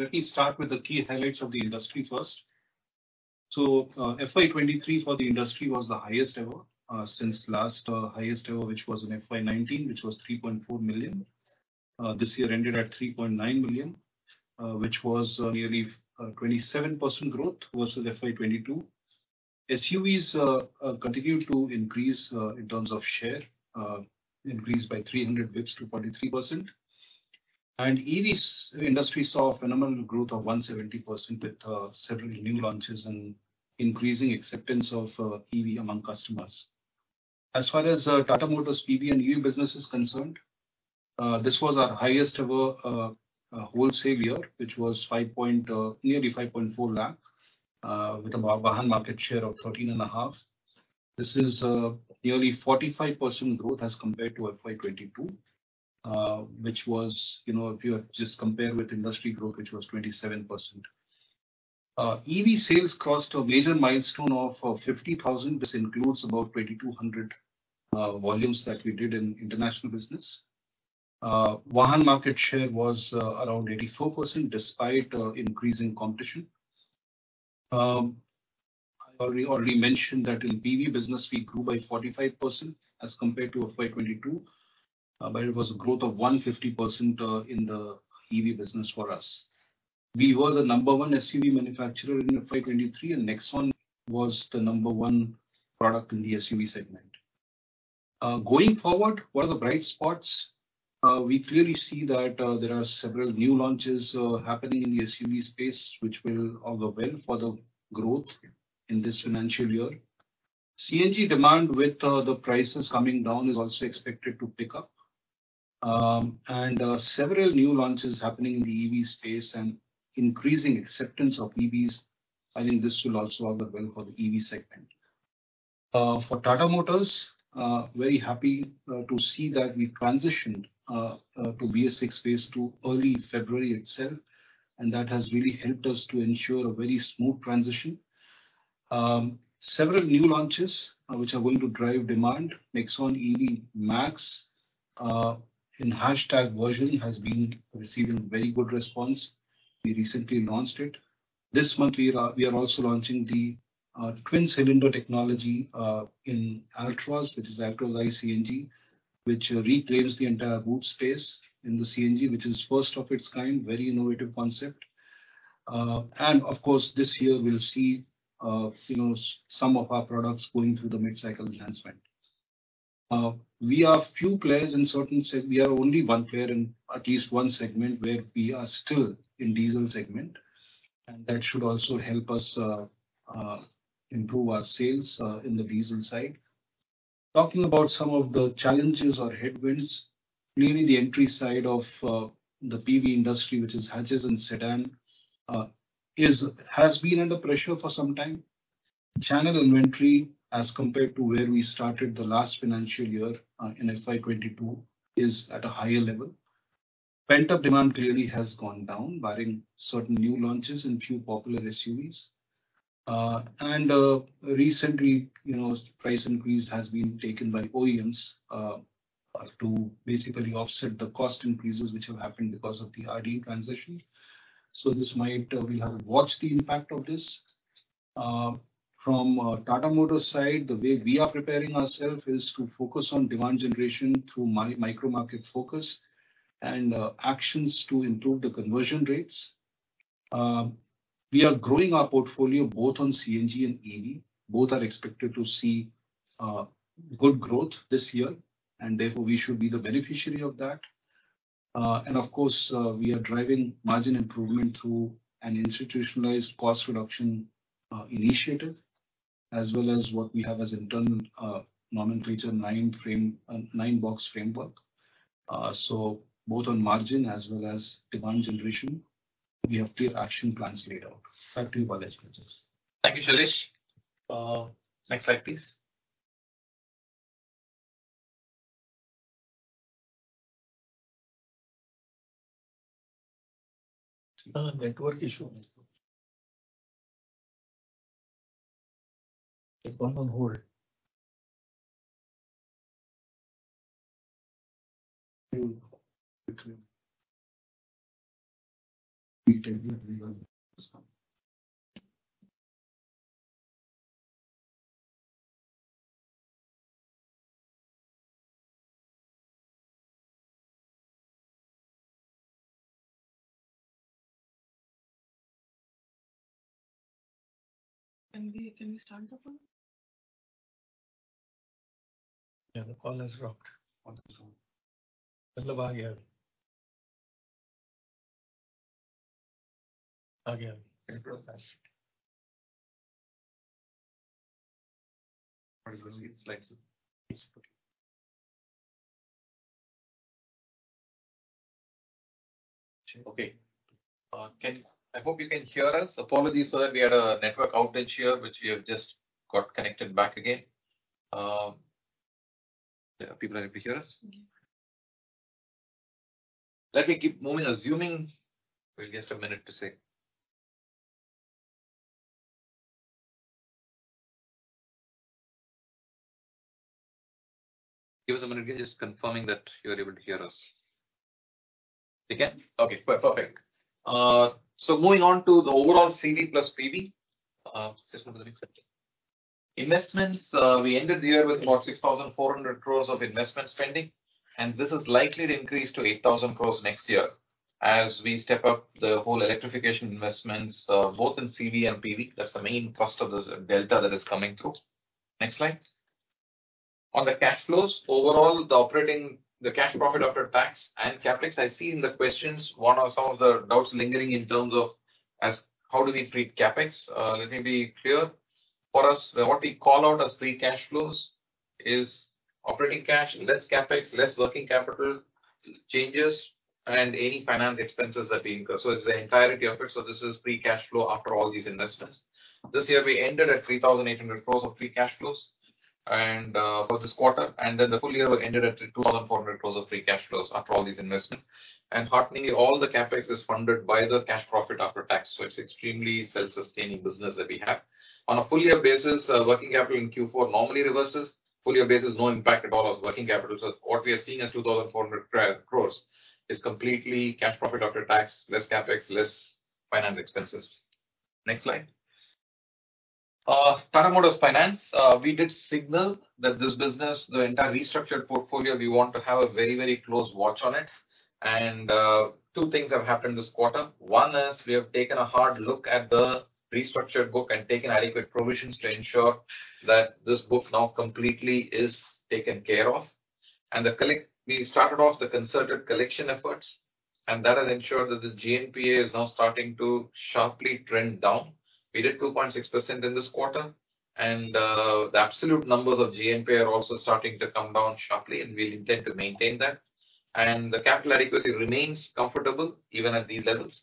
Let me start with the key highlights of the industry first. FY 2023 for the industry was the highest ever since last highest ever, which was in FY 2019, which was 3.4 million. This year ended at 3.9 million, which was nearly 27% growth versus FY 2022. SUVs continued to increase in terms of share, increased by 300 basis points to 43%. EVs industry saw a phenomenal growth of 170% with several new launches and increasing acceptance of EV among customers. As far as Tata Motors PV and EV business is concerned, this was our highest ever wholesale year, which was nearly 5.4 lakh, with a Vahan market share of 13.5%. This is nearly 45% growth as compared to FY 2022, which was, you know, if you just compare with industry growth, which was 27%. EV sales crossed a major milestone of 50,000. This includes about 2,200 volumes that we did in international business. Vahan market share was around 84% despite increasing competition. I already mentioned that in PV business we grew by 45% as compared to FY 2022. It was a growth of 150% in the EV business for us. We were the number-one SUV manufacturer in FY 2023, and Nexon was the number-one product in the SUV segment. Going forward, what are the bright spots? We clearly see that there are several new launches happening in the SUV space, which will augur well for the growth in this financial year. CNG demand with the prices coming down is also expected to pick up. Several new launches happening in the EV space and increasing acceptance of EVs, I think this will also augur well for the EV segment. For Tata Motors, very happy to see that we transitioned to BS VI phase II early February itself, and that has really helped us to ensure a very smooth transition. Several new launches which are going to drive demand. Nexon EV Max in hashtag version has been receiving very good response. We recently launched it. This month we are also launching the twin cylinder technology in Altroz, which is Altroz iCNG, which reclaims the entire boot space in the CNG, which is first of its kind, very innovative concept. Of course, this year we'll see, you know, some of our products going through the mid-cycle enhancement. We are only one player in at least one segment where we are still in diesel segment, that should also help us improve our sales in the diesel side. Talking about some of the challenges or headwinds, really the entry side of the PV industry, which is hatches and sedan, has been under pressure for some time. Channel inventory as compared to where we started the last financial year, in FY 2022, is at a higher level. Pent-up demand clearly has gone down, barring certain new launches and few popular SUVs. Recently, you know, price increase has been taken by OEMs to basically offset the cost increases which have happened because of the RDE transition. This might. We have to watch the impact of this. From Tata Motors' side, the way we are preparing ourself is to focus on demand generation through micro market focus and actions to improve the conversion rates. We are growing our portfolio both on CNG and EV. Both are expected to see good growth this year, and therefore we should be the beneficiary of that. Of course, we are driving margin improvement through an institutionalized cost reduction, initiative, as well as what we have as internal, nomenclature, nine frame, nine-box framework. Both on margin as well as demand generation, we have clear action plans laid out. Back to you, Balaji. Thank you, Shailesh. Next slide, please. Network issue. Just one on hold. Can we start the call? Yeah, the call has dropped. Call has dropped. Okay. I hope you can hear us. Apologies for that. We had a network outage here, which we have just got connected back again. Yeah, people are able to hear us? Let me keep moving, assuming. We'll give us a minute to see. Give us a minute. We're just confirming that you're able to hear us. Again? Okay, perfect. Moving on to the overall CV + PV system to the next section. Investments, we ended the year with about 6,400 crores of investment spending. This is likely to increase to 8,000 crores next year as we step up the whole electrification investments, both in CV and PV. That's the main cost of this delta that is coming through. Next slide. On the cash flows, overall, the cash profit after tax and CapEx. I see in the questions what are some of the doubts lingering in terms of as how do we treat CapEx. Let me be clear. For us, what we call out as free cash flows is operating cash, less CapEx, less working capital changes, and any finance expenses that we incur. It's the entirety of it, so this is free cash flow after all these investments. This year, we ended at 3,800 crores of free cash flows and for this quarter. The full year, we ended at 2,400 crores of free cash flows after all these investments. Hearteningly, all the CapEx is funded by the cash profit after tax, so it's extremely self-sustaining business that we have. On a full year basis, working capital in Q4 normally reverses. Full year basis, no impact at all on working capital. What we are seeing as 2,400 crores is completely cash profit after tax, less CapEx, less finance expenses. Next slide. Tata Motors Finance, we did signal that this business, the entire restructured portfolio, we want to have a very, very close watch on it. Two things have happened this quarter. 1 is we have taken a hard look at the restructured book and taken adequate provisions to ensure that this book now completely is taken care of. We started off the concerted collection efforts, and that has ensured that the GNPA is now starting to sharply trend down. We did 2.6% in this quarter. The absolute numbers of GNPA are also starting to come down sharply, and we intend to maintain that. The capital adequacy remains comfortable even at these levels.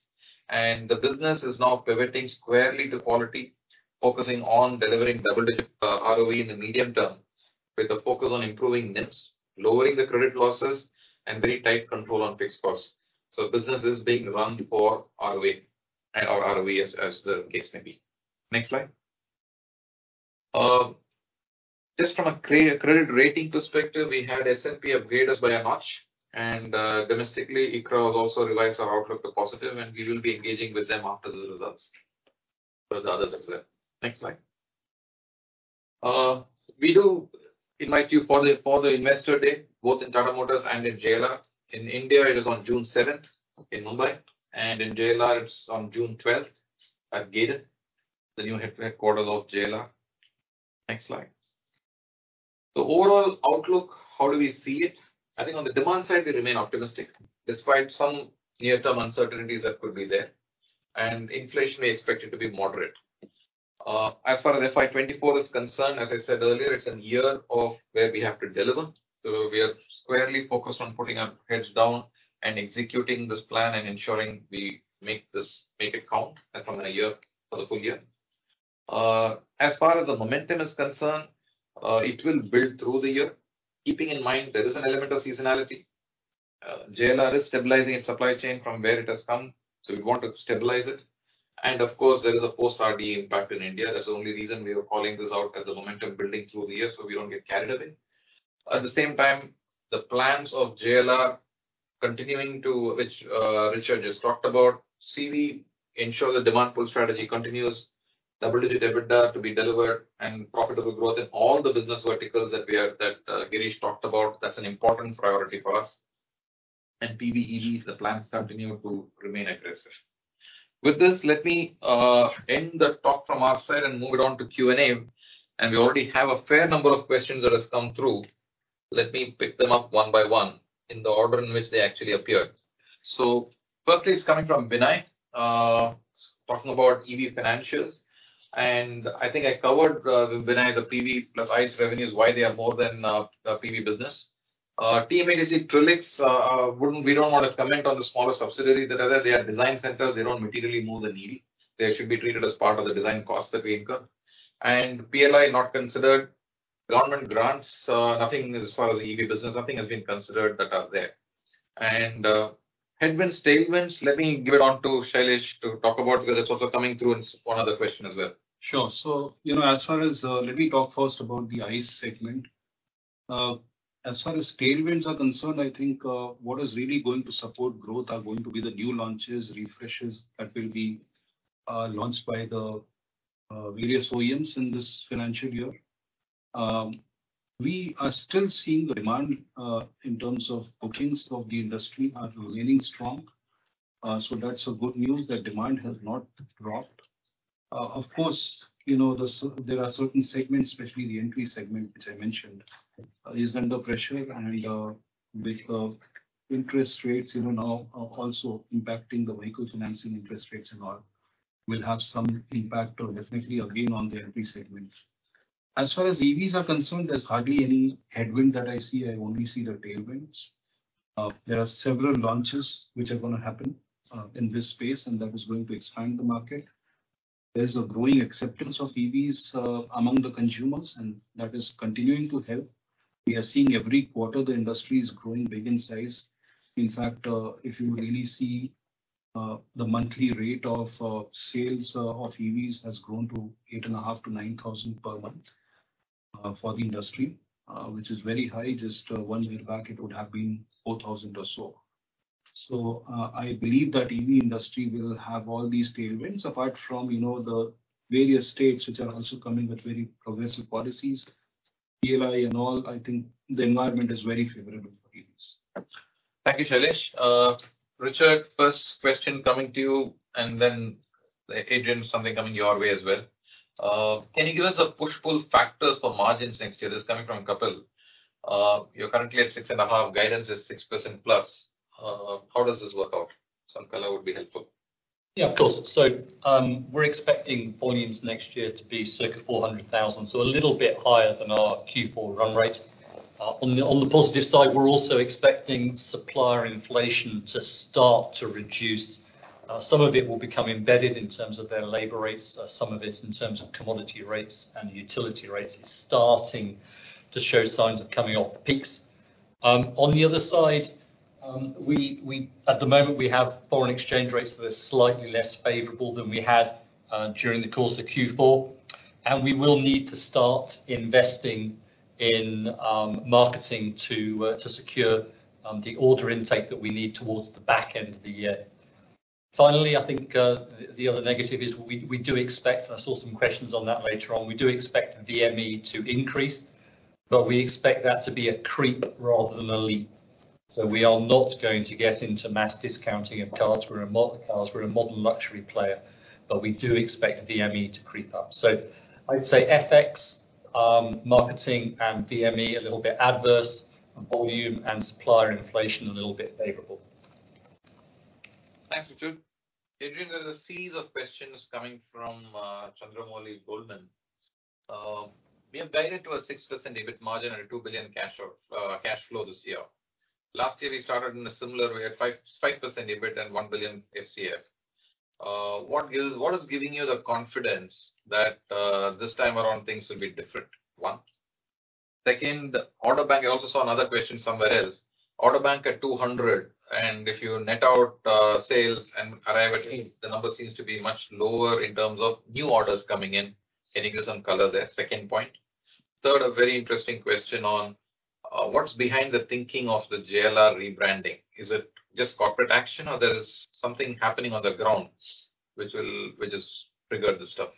The business is now pivoting squarely to quality, focusing on delivering double-digit ROE in the medium term, with a focus on improving NIMs, lowering the credit losses, and very tight control on fixed costs. Business is being run for ROE, or ROE as the case may be. Next slide. Just from a credit rating perspective, we had S&P upgrade us by a notch. Domestically, ICRA has also revised our outlook to positive, and we will be engaging with them after the results for the others as well. Next slide. We do invite you for the, for the Investor Day, both in Tata Motors and in JLR. In India, it is on June 7th in Mumbai. In JLR, it's on June 12th at Gaydon, the new headquarter of JLR. Next slide. Overall outlook, how do we see it? I think on the demand side, we remain optimistic, despite some near-term uncertainties that could be there. Inflation, we expect it to be moderate. As far as FY 2024 is concerned, as I said earlier, it's a year of where we have to deliver. We are squarely focused on putting our heads down and executing this plan and ensuring we make it count for the full year. As far as the momentum is concerned, it will build through the year. Keeping in mind there is an element of seasonality. JLR is stabilizing its supply chain from where it has come, so we want to stabilize it. Of course, there is a post-RDE impact in India. That's the only reason we are calling this out as a momentum building through the year, so we don't get carried away. At the same time, the plans of JLR continuing to... Which, Richard just talked about. CV ensure the demand pool strategy continues. Double-digit EBITDA to be delivered and profitable growth in all the business verticals that Girish talked about. That's an important priority for us. PBEs, the plans continue to remain aggressive. With this, let me end the talk from our side and move it on to Q&A. We already have a fair number of questions that has come through. Let me pick them up one by one in the order in which they actually appeared. Firstly, it's coming from Binay, talking about EV financials. I think I covered, Binay, the PV + ICE revenues, why they are more than the PV business. TMDTC Trilix, we don't wanna comment on the smaller subsidiaries that are there. They are design centers, they don't materially move the needle. They should be treated as part of the design cost that we incur. PLI not considered, government grants, nothing as far as the EV business, nothing has been considered that are there. Headwind statements, let me give it on to Shailesh to talk about, because that's also coming through in one other question as well. Sure. You know, as far as, let me talk first about the ICE segment. As far as tailwinds are concerned, I think, what is really going to support growth are going to be the new launches, refreshes that will be launched by the various OEMs in this financial year. We are still seeing the demand in terms of bookings of the industry are remaining strong. That's a good news that demand has not dropped. Of course, you know, there are certain segments, especially the entry segment, which I mentioned, is under pressure and, with interest rates even now are also impacting the vehicle financing interest rates and all will have some impact or definitely again on the entry segment. As far as EVs are concerned, there's hardly any headwind that I see. I only see the tailwinds. There are several launches which are gonna happen in this space, and that is going to expand the market. There is a growing acceptance of EVs among the consumers, and that is continuing to help. We are seeing every quarter, the industry is growing big in size. In fact, if you really see, the monthly rate of sales of EVs has grown to 8,500-9,000 per month for the industry, which is very high. Just one year back, it would have been 4,000 or so. I believe that EV industry will have all these tailwinds, apart from, you know, the various states which are also coming with very progressive policies, PLI and all. The environment is very favorable for EVs. Thank you, Shailesh. Richard, first question coming to you, and then, Adrian, something coming your way as well. Can you give us the push-pull factors for margins next year? This is coming from Kapil. You're currently at 6.5%. Guidance is 6%+. How does this work out? Some color would be helpful. Yeah, of course. We're expecting volumes next year to be circa 400,000. A little bit higher than our Q4 run rate. On the positive side, we're also expecting supplier inflation to start to reduce. Some of it will become embedded in terms of their labor rates. Some of it in terms of commodity rates and utility rates is starting to show signs of coming off the peaks. On the other side, we at the moment have foreign exchange rates that are slightly less favorable than we had during the course of Q4. We will need to start investing in marketing to secure the order intake that we need towards the back end of the year. Finally, I think, the other negative is we do expect, I saw some questions on that later on. We do expect VME to increase, but we expect that to be a creep rather than a leap. We are not going to get into mass discounting of cars. We're a model luxury player, but we do expect VME to creep up. I'd say FX, marketing and VME a little bit adverse. Volume and supplier inflation, a little bit favorable. Thanks, Richard. Adrian, there's a series of questions coming from Chandramouli, Goldman. We have guided to a 6% EBIT margin and a 2 billion cash flow this year. Last year, we started in a similar way at 5% EBIT and 1 billion FCF. What is giving you the confidence that this time around things will be different? One. Second, the order bank, I also saw another question somewhere else. Order bank at 200, if you net out, sales and arrive at this, the number seems to be much lower in terms of new orders coming in. Can you give some color there? Second point. Third, a very interesting question on what's behind the thinking of the JLR rebranding. Is it just corporate action or there is something happening on the grounds which has triggered this stuff?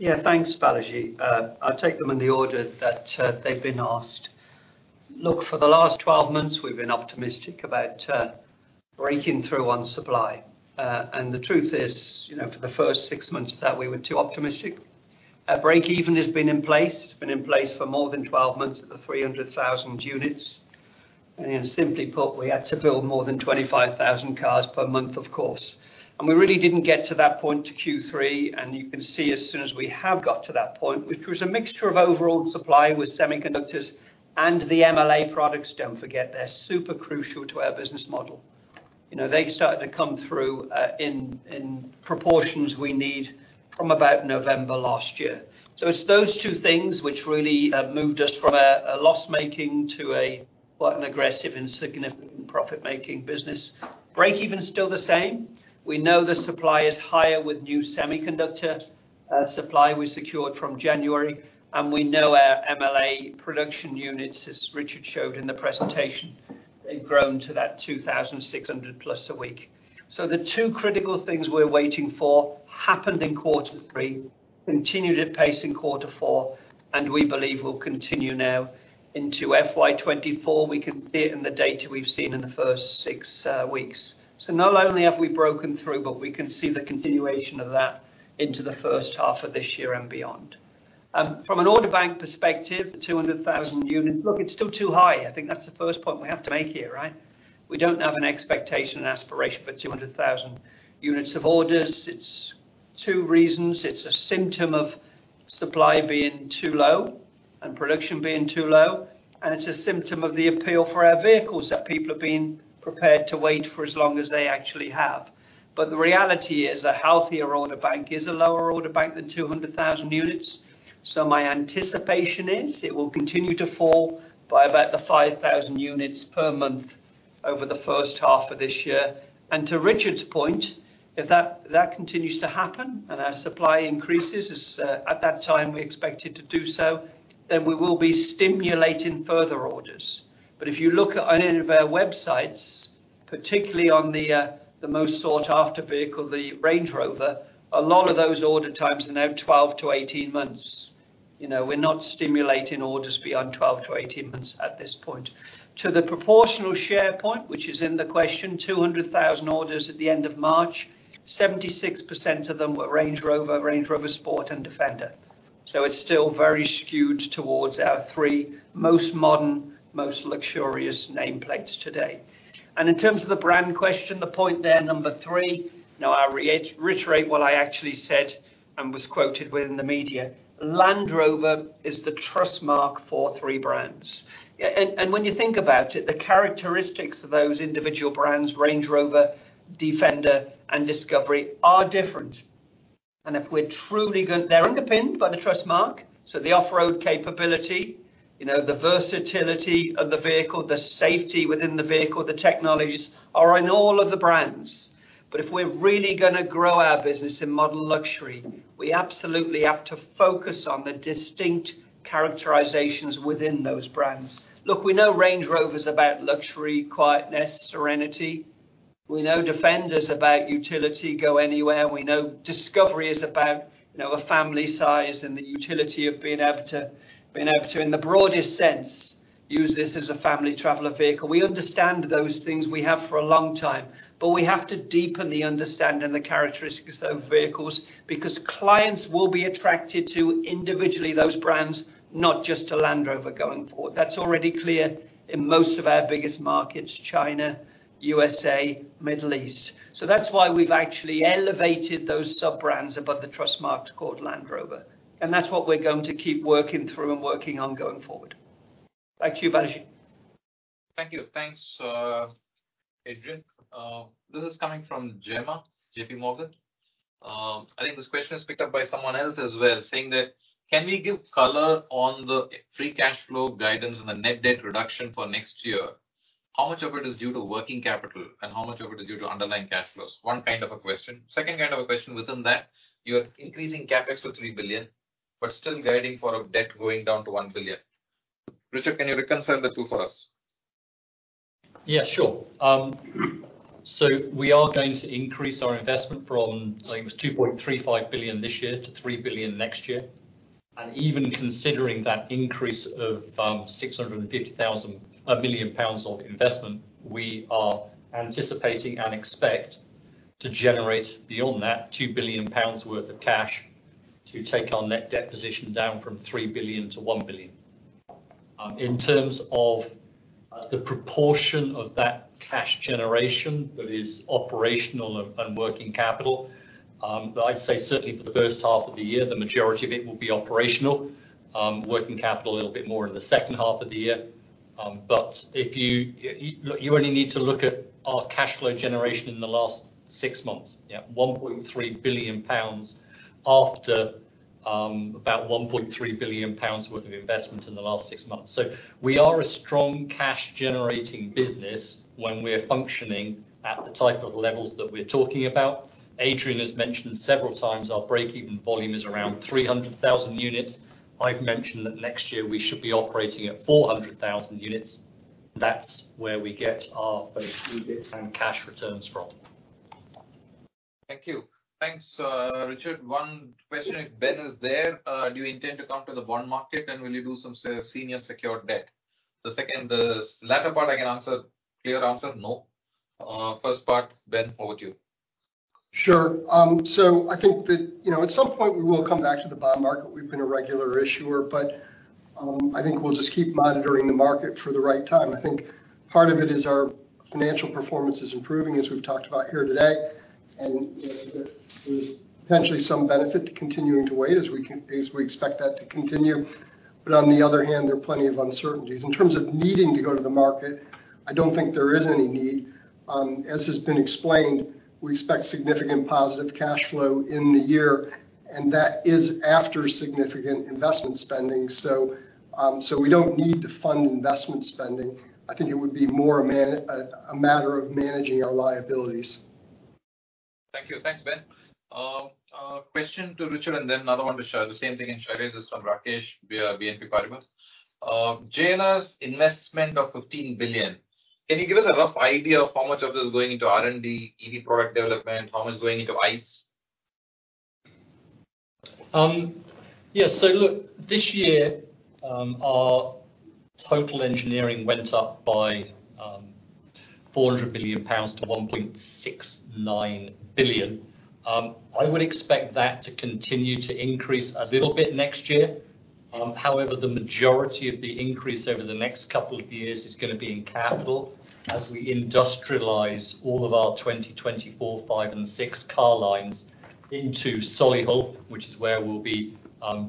Thanks, Balaji. I'll take them in the order that they've been asked. Look, for the last 12 months, we've been optimistic about breaking through on supply. The truth is, you know, for the first six months that we were too optimistic. Our break even has been in place. It's been in place for more than 12 months at the 300,000 units. Simply put, we had to build more than 25,000 cars per month, of course. We really didn't get to that point to Q3, and you can see as soon as we have got to that point, which was a mixture of overall supply with semiconductors and the MLA products. Don't forget, they're super crucial to our business model. You know, they started to come through in proportions we need from about November last year. It's those two things which really have moved us from a loss-making to a, well, an aggressive and significant profit-making business. Breakeven's still the same. We know the supply is higher with new semiconductor supply we secured from January, and we know our MLA production units, as Richard showed in the presentation, they've grown to that 2,600+ a week. The two critical things we're waiting for happened in quarter three, continued at pace in quarter four, and we believe will continue now into FY 2024. We can see it in the data we've seen in the first six weeks. Not only have we broken through, but we can see the continuation of that into the first half of this year and beyond. From an order bank perspective, the 200,000 units, look, it's still too high. I think that's the first point we have to make here, right? We don't have an expectation and aspiration for 200,000 units of orders. It's two reasons. It's a symptom of supply being too low and production being too low, and it's a symptom of the appeal for our vehicles that people have been prepared to wait for as long as they actually have. The reality is a healthier order bank is a lower order bank than 200,000 units. My anticipation is it will continue to fall by about the 5,000 units per month over the first half of this year. To Richard's point, if that continues to happen and our supply increases as at that time we expect it to do so, we will be stimulating further orders. If you look at any of our websites, particularly on the most sought-after vehicle, the Range Rover, a lot of those order times are now 12-18 months. You know, we're not stimulating orders beyond 12-18 months at this point. To the proportional share point, which is in the question, 200,000 orders at the end of March, 76% of them were Range Rover, Range Rover Sport, and Defender. It's still very skewed towards our three most modern, most luxurious nameplates today. In terms of the brand question, the point there, number three, now I'll reiterate what I actually said and was quoted with in the media. Land Rover is the trust mark for three brands. When you think about it, the characteristics of those individual brands, Range Rover, Defender, and Discovery, are different. They're underpinned by the trust mark, so the off-road capability, you know, the versatility of the vehicle, the safety within the vehicle, the technologies are in all of the brands. If we're really gonna grow our business in modern luxury, we absolutely have to focus on the distinct characterizations within those brands. Look, we know Range Rover's about luxury, quietness, serenity. We know Defender's about utility, go anywhere. We know Discovery is about, you know, a family size and the utility of being able to, in the broadest sense, use this as a family traveler vehicle. We understand those things. We have for a long time. We have to deepen the understanding, the characteristics of those vehicles, because clients will be attracted to individually those brands, not just to Land Rover going forward. That's already clear in most of our biggest markets, China, USA, Middle East. That's why we've actually elevated those sub-brands above the trust mark called Land Rover. That's what we're going to keep working through and working on going forward. Thank you, Balaji. Thank you. Thanks, Adrian. This is coming from Gemma, JPMorgan. I think this question is picked up by someone else as well, saying that, "Can we give color on the free cash flow guidance and the net debt reduction for next year? How much of it is due to working capital, and how much of it is due to underlying cash flows?" One kind of a question. Second kind of a question within that, "You're increasing CapEx to 3 billion, but still guiding for a debt going down to 1 billion." Richard, can you reconcile the two for us? Yeah, sure. We are going to increase our investment from, I think it was 2.35 billion this year to 3 billion next year. Even considering that increase of 650,000 million pounds of investment, we are anticipating and expect to generate beyond that 2 billion pounds worth of cash to take our net debt position down from 3 billion-1 billion. In terms of the proportion of that cash generation that is operational and working capital, I'd say certainly for the first half of the year, the majority of it will be operational. Working capital a little bit more in the second half of the year. If you only need to look at our cash flow generation in the last six months. Yeah, 1.3 billion pounds after, about 1.3 billion pounds worth of investment in the last six months. We are a strong cash-generating business when we're functioning at the type of levels that we're talking about. Adrian has mentioned several times our break-even volume is around 300,000 units. I've mentioned that next year we should be operating at 400,000 units. That's where we get our, both EBIT and cash returns from. Thank you. Thanks, Richard. One question, if Ben is there, do you intend to come to the bond market and will you do some senior secured debt? The second, the latter part I can answer, clear answer, no. First part, Ben, over to you. Sure. So I think that, you know, at some point, we will come back to the bond market. We've been a regular issuer, but I think we'll just keep monitoring the market for the right time. I think part of it is our financial performance is improving, as we've talked about here today. You know, there is potentially some benefit to continuing to wait as we expect that to continue. On the other hand, there are plenty of uncertainties. In terms of needing to go to the market, I don't think there is any need. As has been explained, we expect significant positive cash flow in the year, and that is after significant investment spending. We don't need to fund investment spending. I think it would be more a matter of managing our liabilities. Thank you. Thanks, Ben. Question to Richard and then another one to Shailesh. This from Rakesh via BNP Paribas. JLR's investment of 15 billion, can you give us a rough idea of how much of this is going into R&D, EV product development? How much is going into ICE? Yes. Look, this year, our total engineering went up by 400 million pounds to 1.69 billion. I would expect that to continue to increase a little bit next year. However, the majority of the increase over the next couple of years is gonna be in capital as we industrialize all of our 2024, 2025, and 2026 car lines into Solihull, which is where we'll be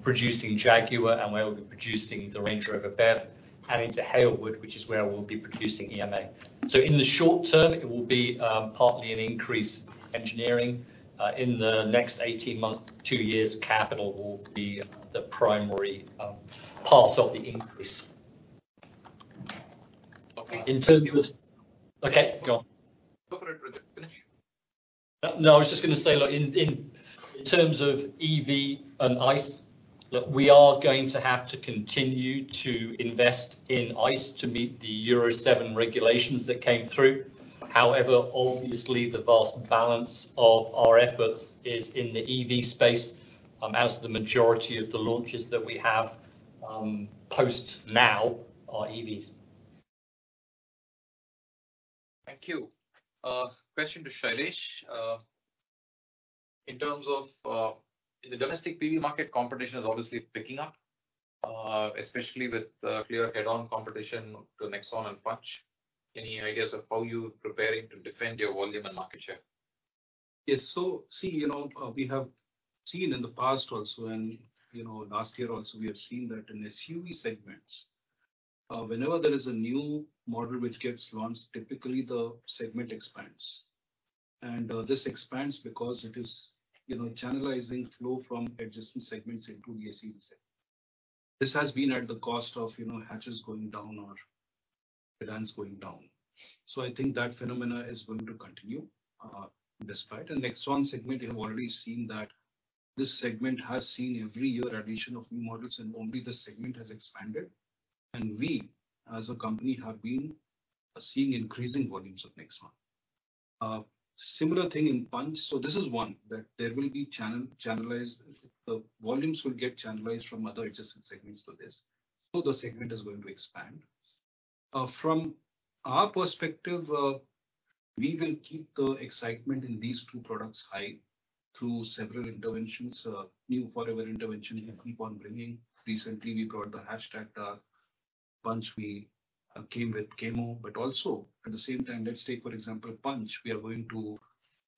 producing Jaguar and where we'll be producing the Range Rover BEV and into Halewood, which is where we'll be producing EMA. In the short term it will be partly an increase in engineering. In the next 18 months, 2 years, capital will be the primary part of the increase. Okay. Okay, go on. Go for it, Richard. Finish. No, I was just gonna say, look, in terms of EV and ICE, look, we are going to have to continue to invest in ICE to meet the Euro 7 regulations that came through. However, obviously the vast balance of our efforts is in the EV space, as the majority of the launches that we have, post now are EVs. Thank you. Question to Shailesh. In terms of the domestic PV market, competition is obviously picking up, especially with clear head-on competition to Nexon and Punch. Any ideas of how you're preparing to defend your volume and market share? Yes. see, you know, we have seen in the past also, and you know, last year also, we have seen that in SUV segments, whenever there is a new model which gets launched, typically the segment expands. This expands because it is, you know, channelizing flow from adjacent segments into the SUV segment. This has been at the cost of, you know, hatches going down or sedans going down. I think that phenomena is going to continue, despite. In Nexon segment, we have already seen that this segment has seen every year addition of new models, and only this segment has expanded. We as a company have been seeing increasing volumes of Nexon. Similar thing in Punch. This is one that there will be channelized, the volumes will get channelized from other adjacent segments to this, so the segment is going to expand. From our perspective, we will keep the excitement in these two products high through several interventions. New forever intervention we keep on bringing. Recently we brought the hashtag, Punch. We came with Camo. Also at the same time, let's take for example, Punch. We are going to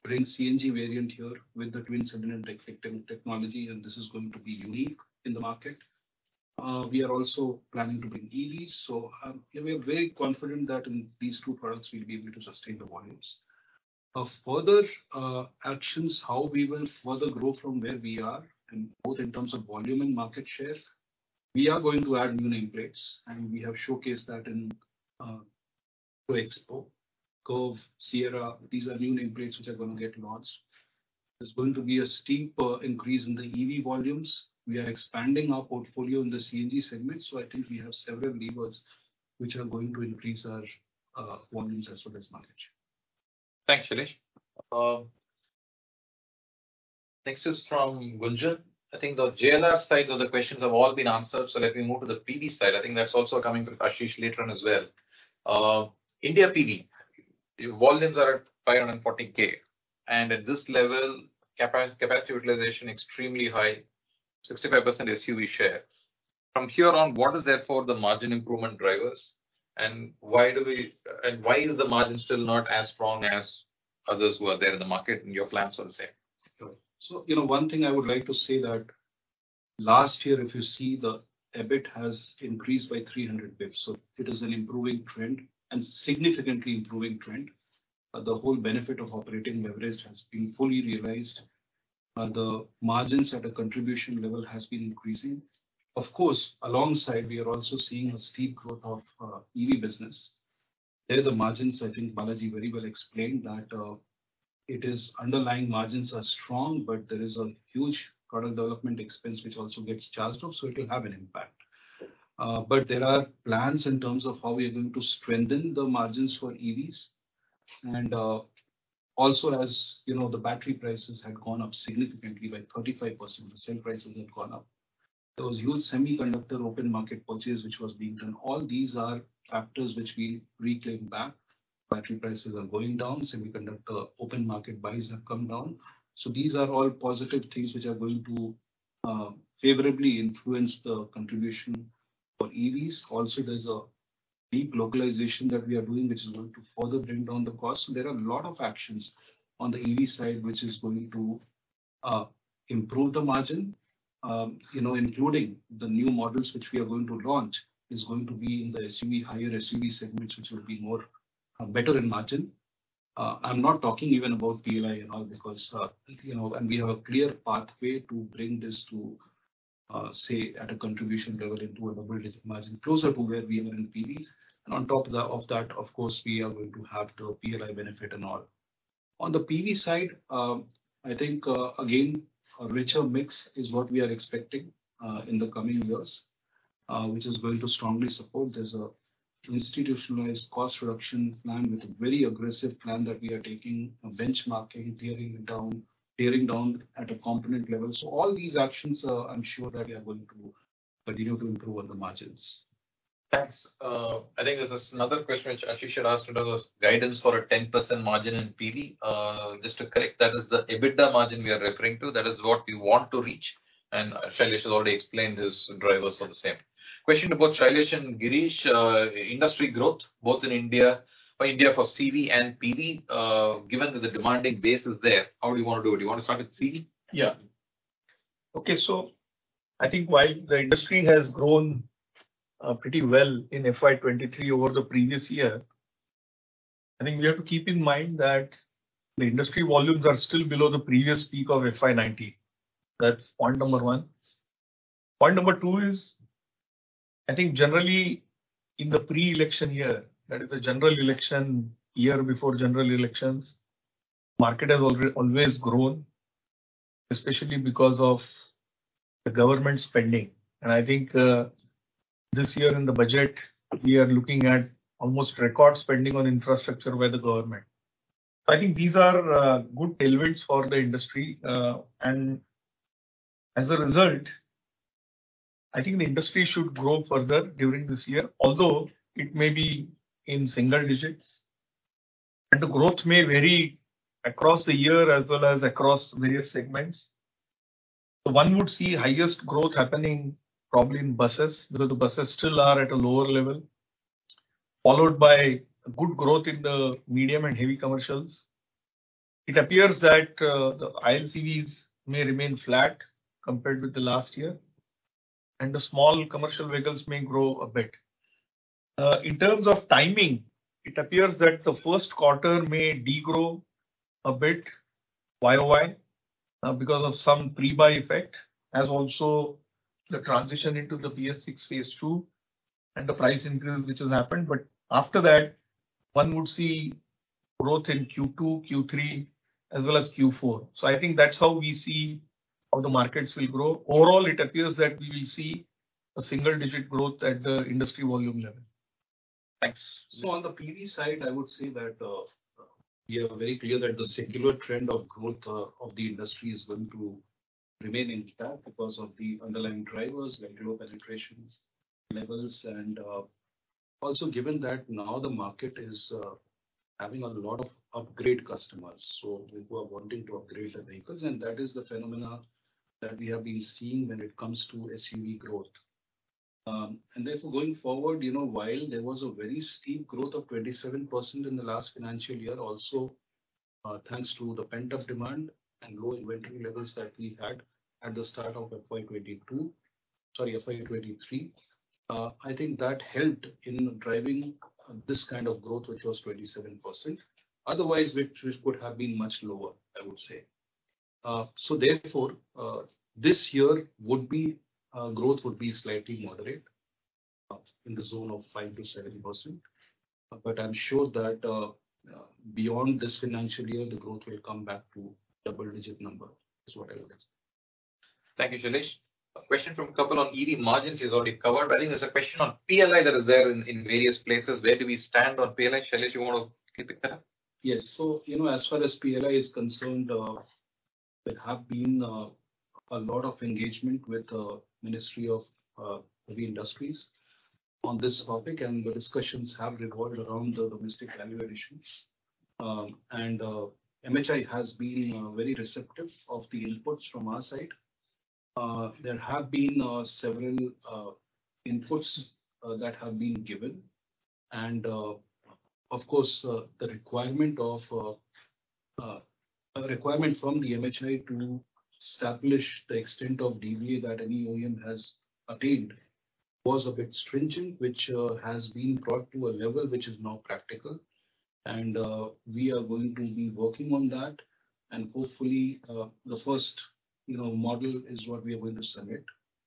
bring CNG variant here with the twin-cylinder direct effect technology, and this is going to be unique in the market. We are also planning to bring EVs. We are very confident that in these two products we'll be able to sustain the volumes. Of further actions, how we will further grow from where we are in both in terms of volume and market share, we are going to add new nameplates, and we have showcased that in Auto Expo. Curvv, Sierra, these are new nameplates which are gonna get launched. There's going to be a steep increase in the EV volumes. We are expanding our portfolio in the CNG segment, so I think we have several levers which are going to increase our volumes as well as market share. Thanks, Shailesh. Next is from Binay Singh. I think the JLR side of the questions have all been answered, so let me move to the PV side. I think that's also coming from Ashish later on as well. India PV, volumes are at 540,000, and at this level capacity utilization extremely high, 65% SUV share. From here on, what is therefore the margin improvement drivers and why is the margin still not as strong as others who are there in the market, and your plans for the same? You know, one thing I would like to say that last year if you see the EBIT has increased by 300 basis points, so it is an improving trend and significantly improving trend. The whole benefit of operating leverage has been fully realized. The margins at a contribution level has been increasing. Of course, alongside we are also seeing a steep growth of EV business. There the margins, I think Balaji very well explained that, it is underlying margins are strong, but there is a huge product development expense which also gets charged off, so it will have an impact. There are plans in terms of how we are going to strengthen the margins for EVs. Also, as you know, the battery prices had gone up significantly by 35%. The cell prices have gone up. There was huge semiconductor open market purchase, which was being done. All these are factors which we reclaim back. Battery prices are going down. Semiconductor open market buys have come down. These are all positive things which are going to favorably influence the contribution for EVs. Also, there's a deep localization that we are doing which is going to further bring down the cost. There are a lot of actions on the EV side which is going to improve the margin. You know, including the new models which we are going to launch, is going to be in the SUV, higher SUV segments, which will be more better in margin. I'm not talking even about PLI and all because, you know, we have a clear pathway to bring this to, say, at a contribution level into a double-digit margin, closer to where we were in PV. On top of that, of course, we are going to have the PLI benefit and all. On the PV side, I think, again, a richer mix is what we are expecting, in the coming years, which is going to strongly support. There's a institutionalized cost reduction plan with a very aggressive plan that we are taking, benchmarking, tearing it down, tearing down at a component level. All these actions are I'm sure that we are going to continue to improve on the margins. Thanks. I think there's another question which actually should ask Sudhir, was guidance for a 10% margin in PV. Just to correct, that is the EBITDA margin we are referring to. That is what we want to reach, and Shailesh has already explained his drivers for the same. Question to both Shailesh and Girish, industry growth both in India, for India for CV and PV, given that the demanding base is there, how do you wanna do it? Do you want to start with CV? Yeah. Okay. I think while the industry has grown pretty well in FY 2023 over the previous year, I think we have to keep in mind that the industry volumes are still below the previous peak of FY 2019. That's point number one. Point number two is, I think generally in the pre-election year, that is the general election, year before general elections, market has always grown, especially because of the government spending. I think this year in the budget, we are looking at almost record spending on infrastructure by the government. I think these are good tailwinds for the industry. As a result, I think the industry should grow further during this year, although it may be in single digits, and the growth may vary across the year as well as across various segments. One would see highest growth happening probably in buses, because the buses still are at a lower level, followed by good growth in the medium and heavy commercials. It appears that the ILCVs may remain flat compared with the last year, and the small commercial vehicles may grow a bit. In terms of timing, it appears that the first quarter may degrow a bit YoY, because of some pre-buy effect, as also the transition into the BS VI phase II and the price increase which has happened. After that, one would see growth in Q2, Q3 as well as Q4. I think that's how we see how the markets will grow. Overall, it appears that we will see a single digit growth at the industry volume level. Thanks. On the PV side, I would say that we are very clear that the secular trend of growth of the industry is going to remain intact because of the underlying drivers, like low penetration levels. Also given that now the market is having a lot of upgrade customers, so people are wanting to upgrade their vehicles, and that is the phenomena that we have been seeing when it comes to SUV growth. Therefore, going forward, you know, while there was a very steep growth of 27% in the last financial year also, thanks to the pent-up demand and low inventory levels that we had at the start of FY 2023, I think that helped in driving this kind of growth, which was 27%. Otherwise, which could have been much lower, I would say. This year would be, growth would be slightly moderate, in the zone of 5%-7%. I'm sure that, beyond this financial year, the growth will come back to double-digit number, is what I would say. Thank you, Shailesh. A question from Kapil on EV margins is already covered. I think there's a question on PLI that is there in various places. Where do we stand on PLI? Shailesh, you wanna kick it there? Yes. So, you know, as far as PLI is concerned, there have been a lot of engagement with the Ministry of Heavy Industries on this topic, and the discussions have revolved around the domestic value additions. And MHI has been very receptive of the inputs from our side. There have been several inputs that have been given. And of course, the requirement of a requirement from the MHI to establish the extent of DVA that any OEM has attained was a bit stringent, which has been brought to a level which is now practical. And we are going to be working on that and hopefully, the first, you know, model is what we are going to submit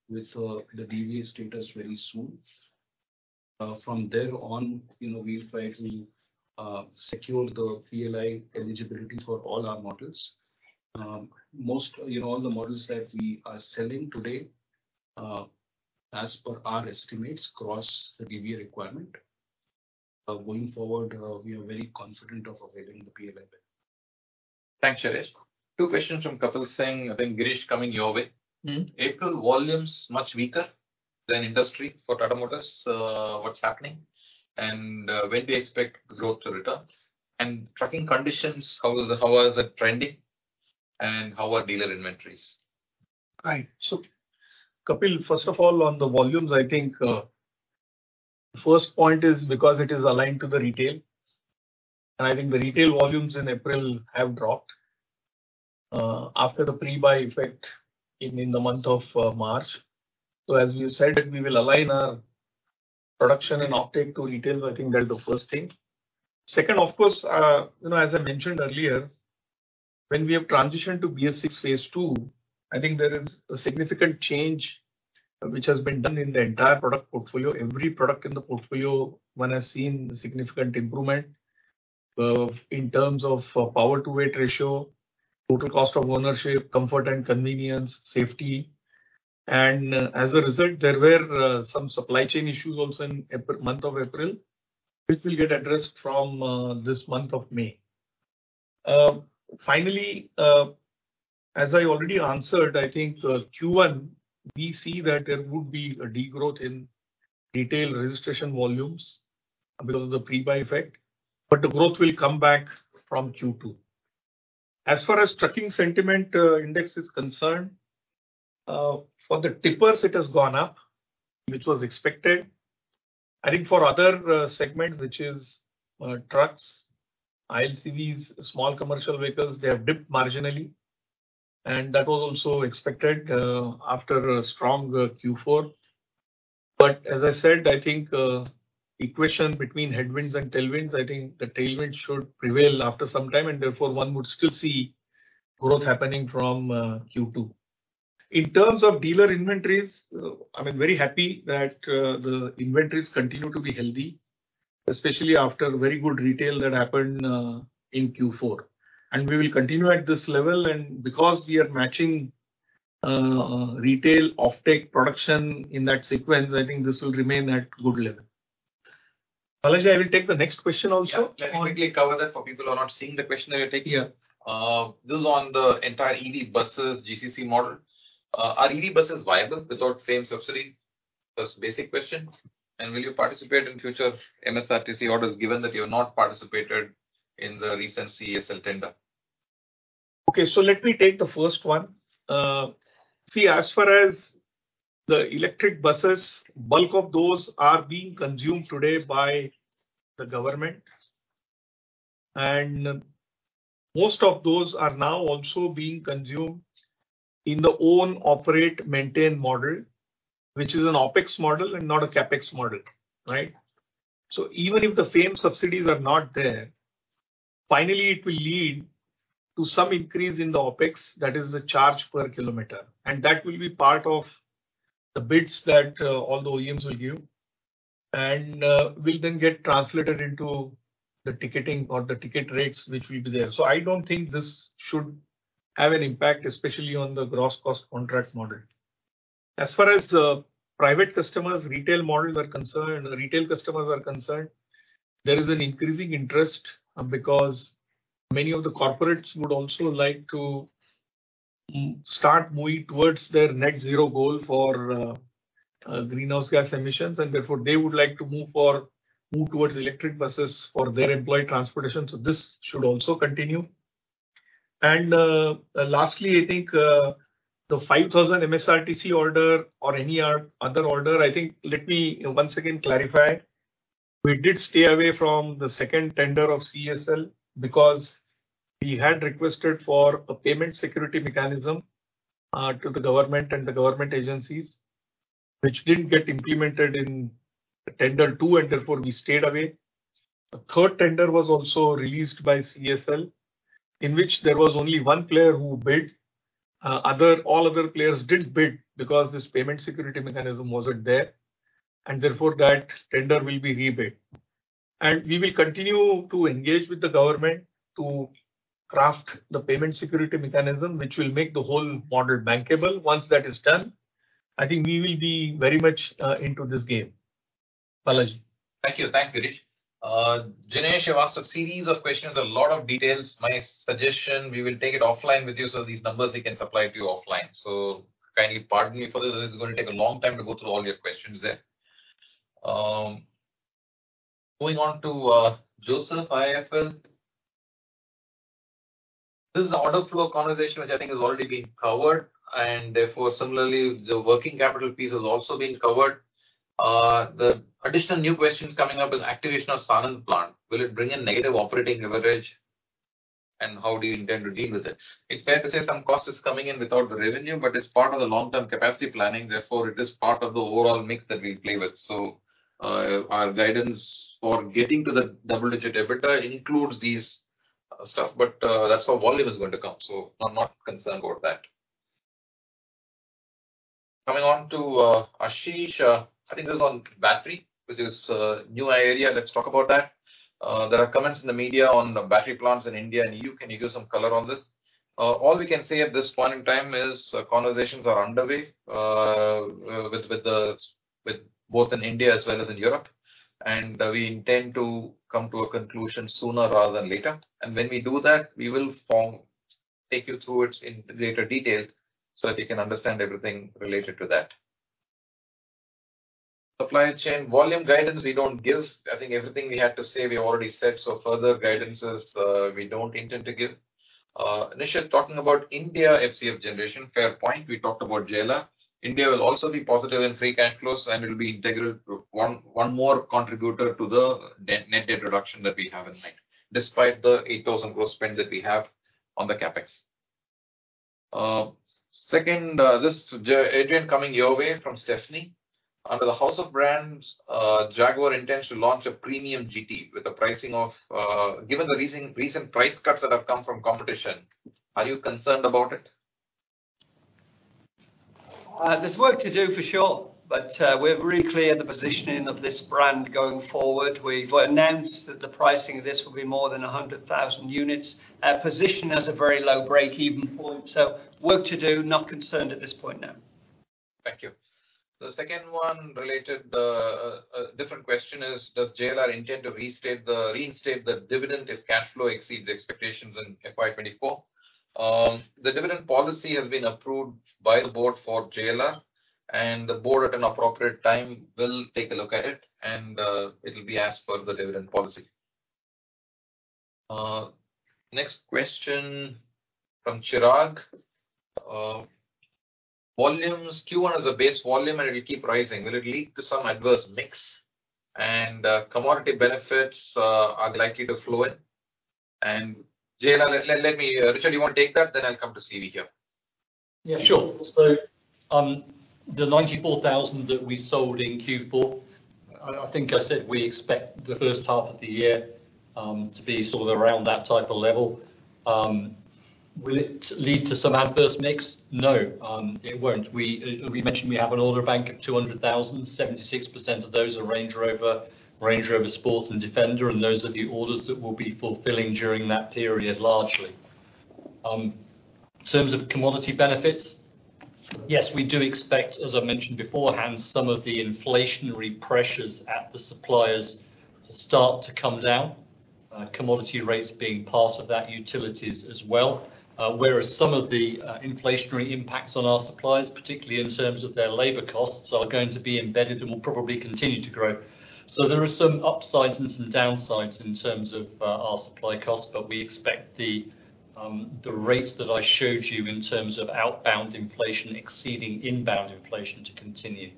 with the DVA status very soon. From there on, you know, we'll finally secure the PLI eligibility for all our models. You know, all the models that we are selling today, as per our estimates, cross the DVA requirement. Going forward, we are very confident of availing the PLI benefit. Thanks, Shailesh. Two questions from Kapil Singh. I think, Girish, coming your way. Mm-hmm. April volumes much weaker? Industry for Tata Motors, what's happening? When do you expect growth to return? Trucking conditions, how is it trending? How are dealer inventories? Right. Kapil, first of all, on the volumes, I think, first point is because it is aligned to the retail. I think the retail volumes in April have dropped after the pre-buy effect in the month of March. As we said it, we will align our production and offtake to retail. I think that is the first thing. Second, of course, you know, as I mentioned earlier, when we have transitioned to BS VI phase II, I think there is a significant change which has been done in the entire product portfolio. Every product in the portfolio, one has seen a significant improvement in terms of power to weight ratio, total cost of ownership, comfort and convenience, safety. As a result, there were some supply chain issues also in month of April, which will get addressed from this month of May. Finally, as I already answered, I think Q1, we see that there would be a degrowth in retail registration volumes because of the pre-buy effect, but the growth will come back from Q2. As far as trucking sentiment index is concerned, for the tippers it has gone up, which was expected. I think for other segment, which is trucks, ILCVs, small commercial vehicles, they have dipped marginally. That was also expected after a strong Q4. As I said, I think equation between headwinds and tailwinds, I think the tailwind should prevail after some time. Therefore one would still see growth happening from Q2. In terms of dealer inventories, I mean, very happy that, the inventories continue to be healthy, especially after very good retail that happened, in Q four. We will continue at this level. Because we are matching, retail offtake production in that sequence, I think this will remain at good level. Balaji, I will take the next question also. Yeah. Let me quickly cover that for people who are not seeing the question that you're taking here. This is on the entire EV buses GCC model. Are EV buses viable without FAME subsidy? That's basic question. Will you participate in future MSRTC orders, given that you have not participated in the recent CESL tender? Okay, let me take the first one. See, as far as the electric buses, bulk of those are being consumed today by the government. Most of those are now also being consumed in the own operate maintain model, which is an OpEx model and not a CapEx model, right? Even if the FAME subsidies are not there, finally it will lead to some increase in the OpEx, that is the charge per kilometer. That will be part of the bids that all the OEMs will give. Will then get translated into the ticketing or the ticket rates which will be there. I don't think this should have an impact, especially on the gross cost contract model. As far as the private customers retail models are concerned, retail customers are concerned, there is an increasing interest, because many of the corporates would also like to start moving towards their net zero goal for greenhouse gas emissions, and therefore they would like to move towards electric buses for their employee transportation. This should also continue. Lastly, I think, the 5,000 MSRTC order or any other order, I think, let me once again clarify. We did stay away from the second tender of CESL because we had requested for a payment security mechanism to the government and the government agencies, which didn't get implemented in tender two, and therefore we stayed away. A third tender was also released by CESL, in which there was only one player who bid. All other players didn't bid because this payment security mechanism wasn't there. Therefore that tender will be rebid. We will continue to engage with the government to craft the payment security mechanism, which will make the whole model bankable. Once that is done, I think we will be very much into this game. Balaji. Thank you. Thank you, Girish. Jinesh, you've asked a series of questions, a lot of details. My suggestion, we will take it offline with you. These numbers we can supply to you offline. Kindly pardon me for this. This is going to take a long time to go through all your questions there. Going on to Joseph, IIFL. This is the order flow conversation, which I think has already been covered. Therefore similarly, the working capital piece has also been covered. The additional new questions coming up is activation of Sanand plant. Will it bring in negative operating leverage? How do you intend to deal with it? It's fair to say some cost is coming in without the revenue. It's part of the long-term capacity planning, therefore it is part of the overall mix that we play with. Our guidance for getting to the double-digit EBITDA includes these stuff, that's how volume is going to come, I'm not concerned about that. Coming on to Ashish. I think this is on battery, which is a new area. Let's talk about that. There are comments in the media on the battery plants in India and you, can you give some color on this? All we can say at this point in time is conversations are underway with both in India as well as in Europe. We intend to come to a conclusion sooner rather than later. When we do that, we will take you through it in greater detail so that you can understand everything related to that. Supply chain volume guidance, we don't give. I think everything we had to say, we already said. Further guidances, we don't intend to give. Nishant, talking about India FCF generation, fair point, we talked about JLR. India will also be positive in free cash flows, and it'll be integral one more contributor to the net introduction that we have in mind, despite the 8,000 gross spend that we have on the CapEx. Second, this, Adrian, coming your way from Stephanie. Under the House of Brands, Jaguar intends to launch a premium GT with a pricing of, Given the recent price cuts that have come from competition, are you concerned about it? There's work to do for sure, we're really clear in the positioning of this brand going forward. We've announced that the pricing of this will be more than 100,000 units, positioned as a very low break-even point. Work to do, not concerned at this point, no. Thank you. The second one related the different question is: Does JLR intend to reinstate the dividend if cash flow exceeds expectations in FY 2024? The dividend policy has been approved by the board for JLR, and the board at an appropriate time will take a look at it and it'll be as per the dividend policy. Next question from Chirag. Volumes, Q1 is a base volume, and it'll keep rising. Will it lead to some adverse mix and commodity benefits are likely to flow in? JLR, Richard, you wanna take that? Then I'll come to CV here. Yeah, sure. The 94,000 that we sold in Q4, I think I said we expect the first half of the year to be sort of around that type of level. Will it lead to some adverse mix? No, it won't. We mentioned we have an order bank of 200,000. 76% of those are Range Rover, Range Rover Sport and Defender, those are the orders that we'll be fulfilling during that period, largely. In terms of commodity benefits, yes, we do expect, as I mentioned beforehand, some of the inflationary pressures at the suppliers to start to come down, commodity rates being part of that, utilities as well. Whereas some of the inflationary impacts on our suppliers, particularly in terms of their labor costs, are going to be embedded and will probably continue to grow. There are some upsides and some downsides in terms of our supply costs, but we expect the rates that I showed you in terms of outbound inflation exceeding inbound inflation to continue.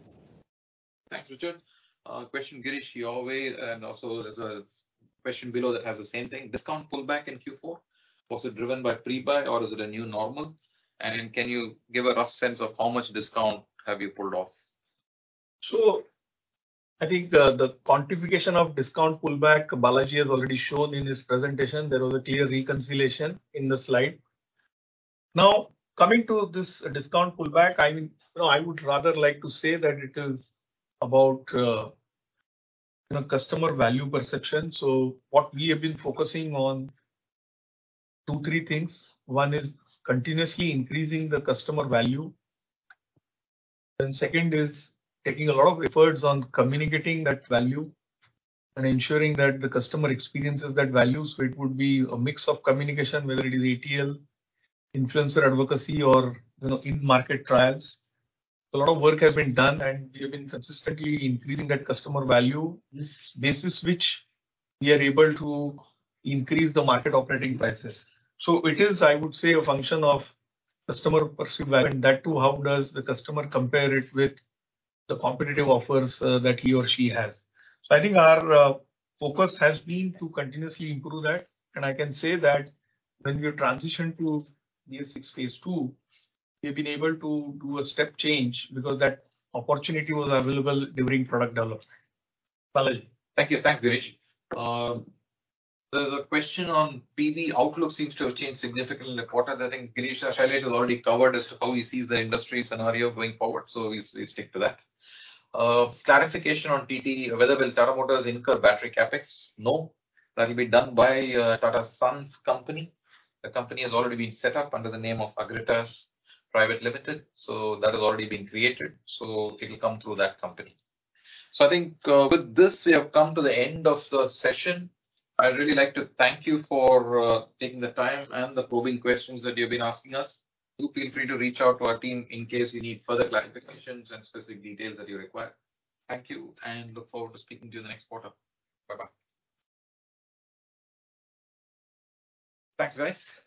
Thanks, Richard. Question, Girish, your way, and also there's a question below that has the same thing. Discount pullback in Q4, was it driven by pre-buy or is it a new normal? Can you give a rough sense of how much discount have you pulled off? I think the quantification of discount pullback, Balaji has already shown in his presentation. There was a clear reconciliation in the slide. Coming to this discount pullback, I mean, you know, I would rather like to say that it is about, you know, customer value perception. What we have been focusing on two, three things. One is continuously increasing the customer value. Second is taking a lot of efforts on communicating that value and ensuring that the customer experiences that value. It would be a mix of communication, whether it is ATL, influencer advocacy, or, you know, in-market trials. A lot of work has been done, and we have been consistently increasing that customer value, on which basis we are able to increase the market operating prices. It is, I would say, a function of customer perceived value, and that too how does the customer compare it with the competitive offers, that he or she has. I think our focus has been to continuously improve that, and I can say that when we transitioned to BS VI phase II, we've been able to do a step change because that opportunity was available during product development. Thank you. Thanks, Girish. The question on PV outlook seems to have changed significantly in the quarter. I think Girish has highlighted, already covered as to how he sees the industry scenario going forward. We stick to that. Clarification on PV, whether will Tata Motors incur battery CapEx? No. That will be done by a Tata Sons company. The company has already been set up under the name of Agratas Private Limited. That has already been created, so it will come through that company. I think, with this, we have come to the end of the session. I'd really like to thank you for taking the time and the probing questions that you've been asking us. Do feel free to reach out to our team in case you need further clarifications and specific details that you require. Thank you, and look forward to speaking to you next quarter. Bye-bye. Thanks, guys.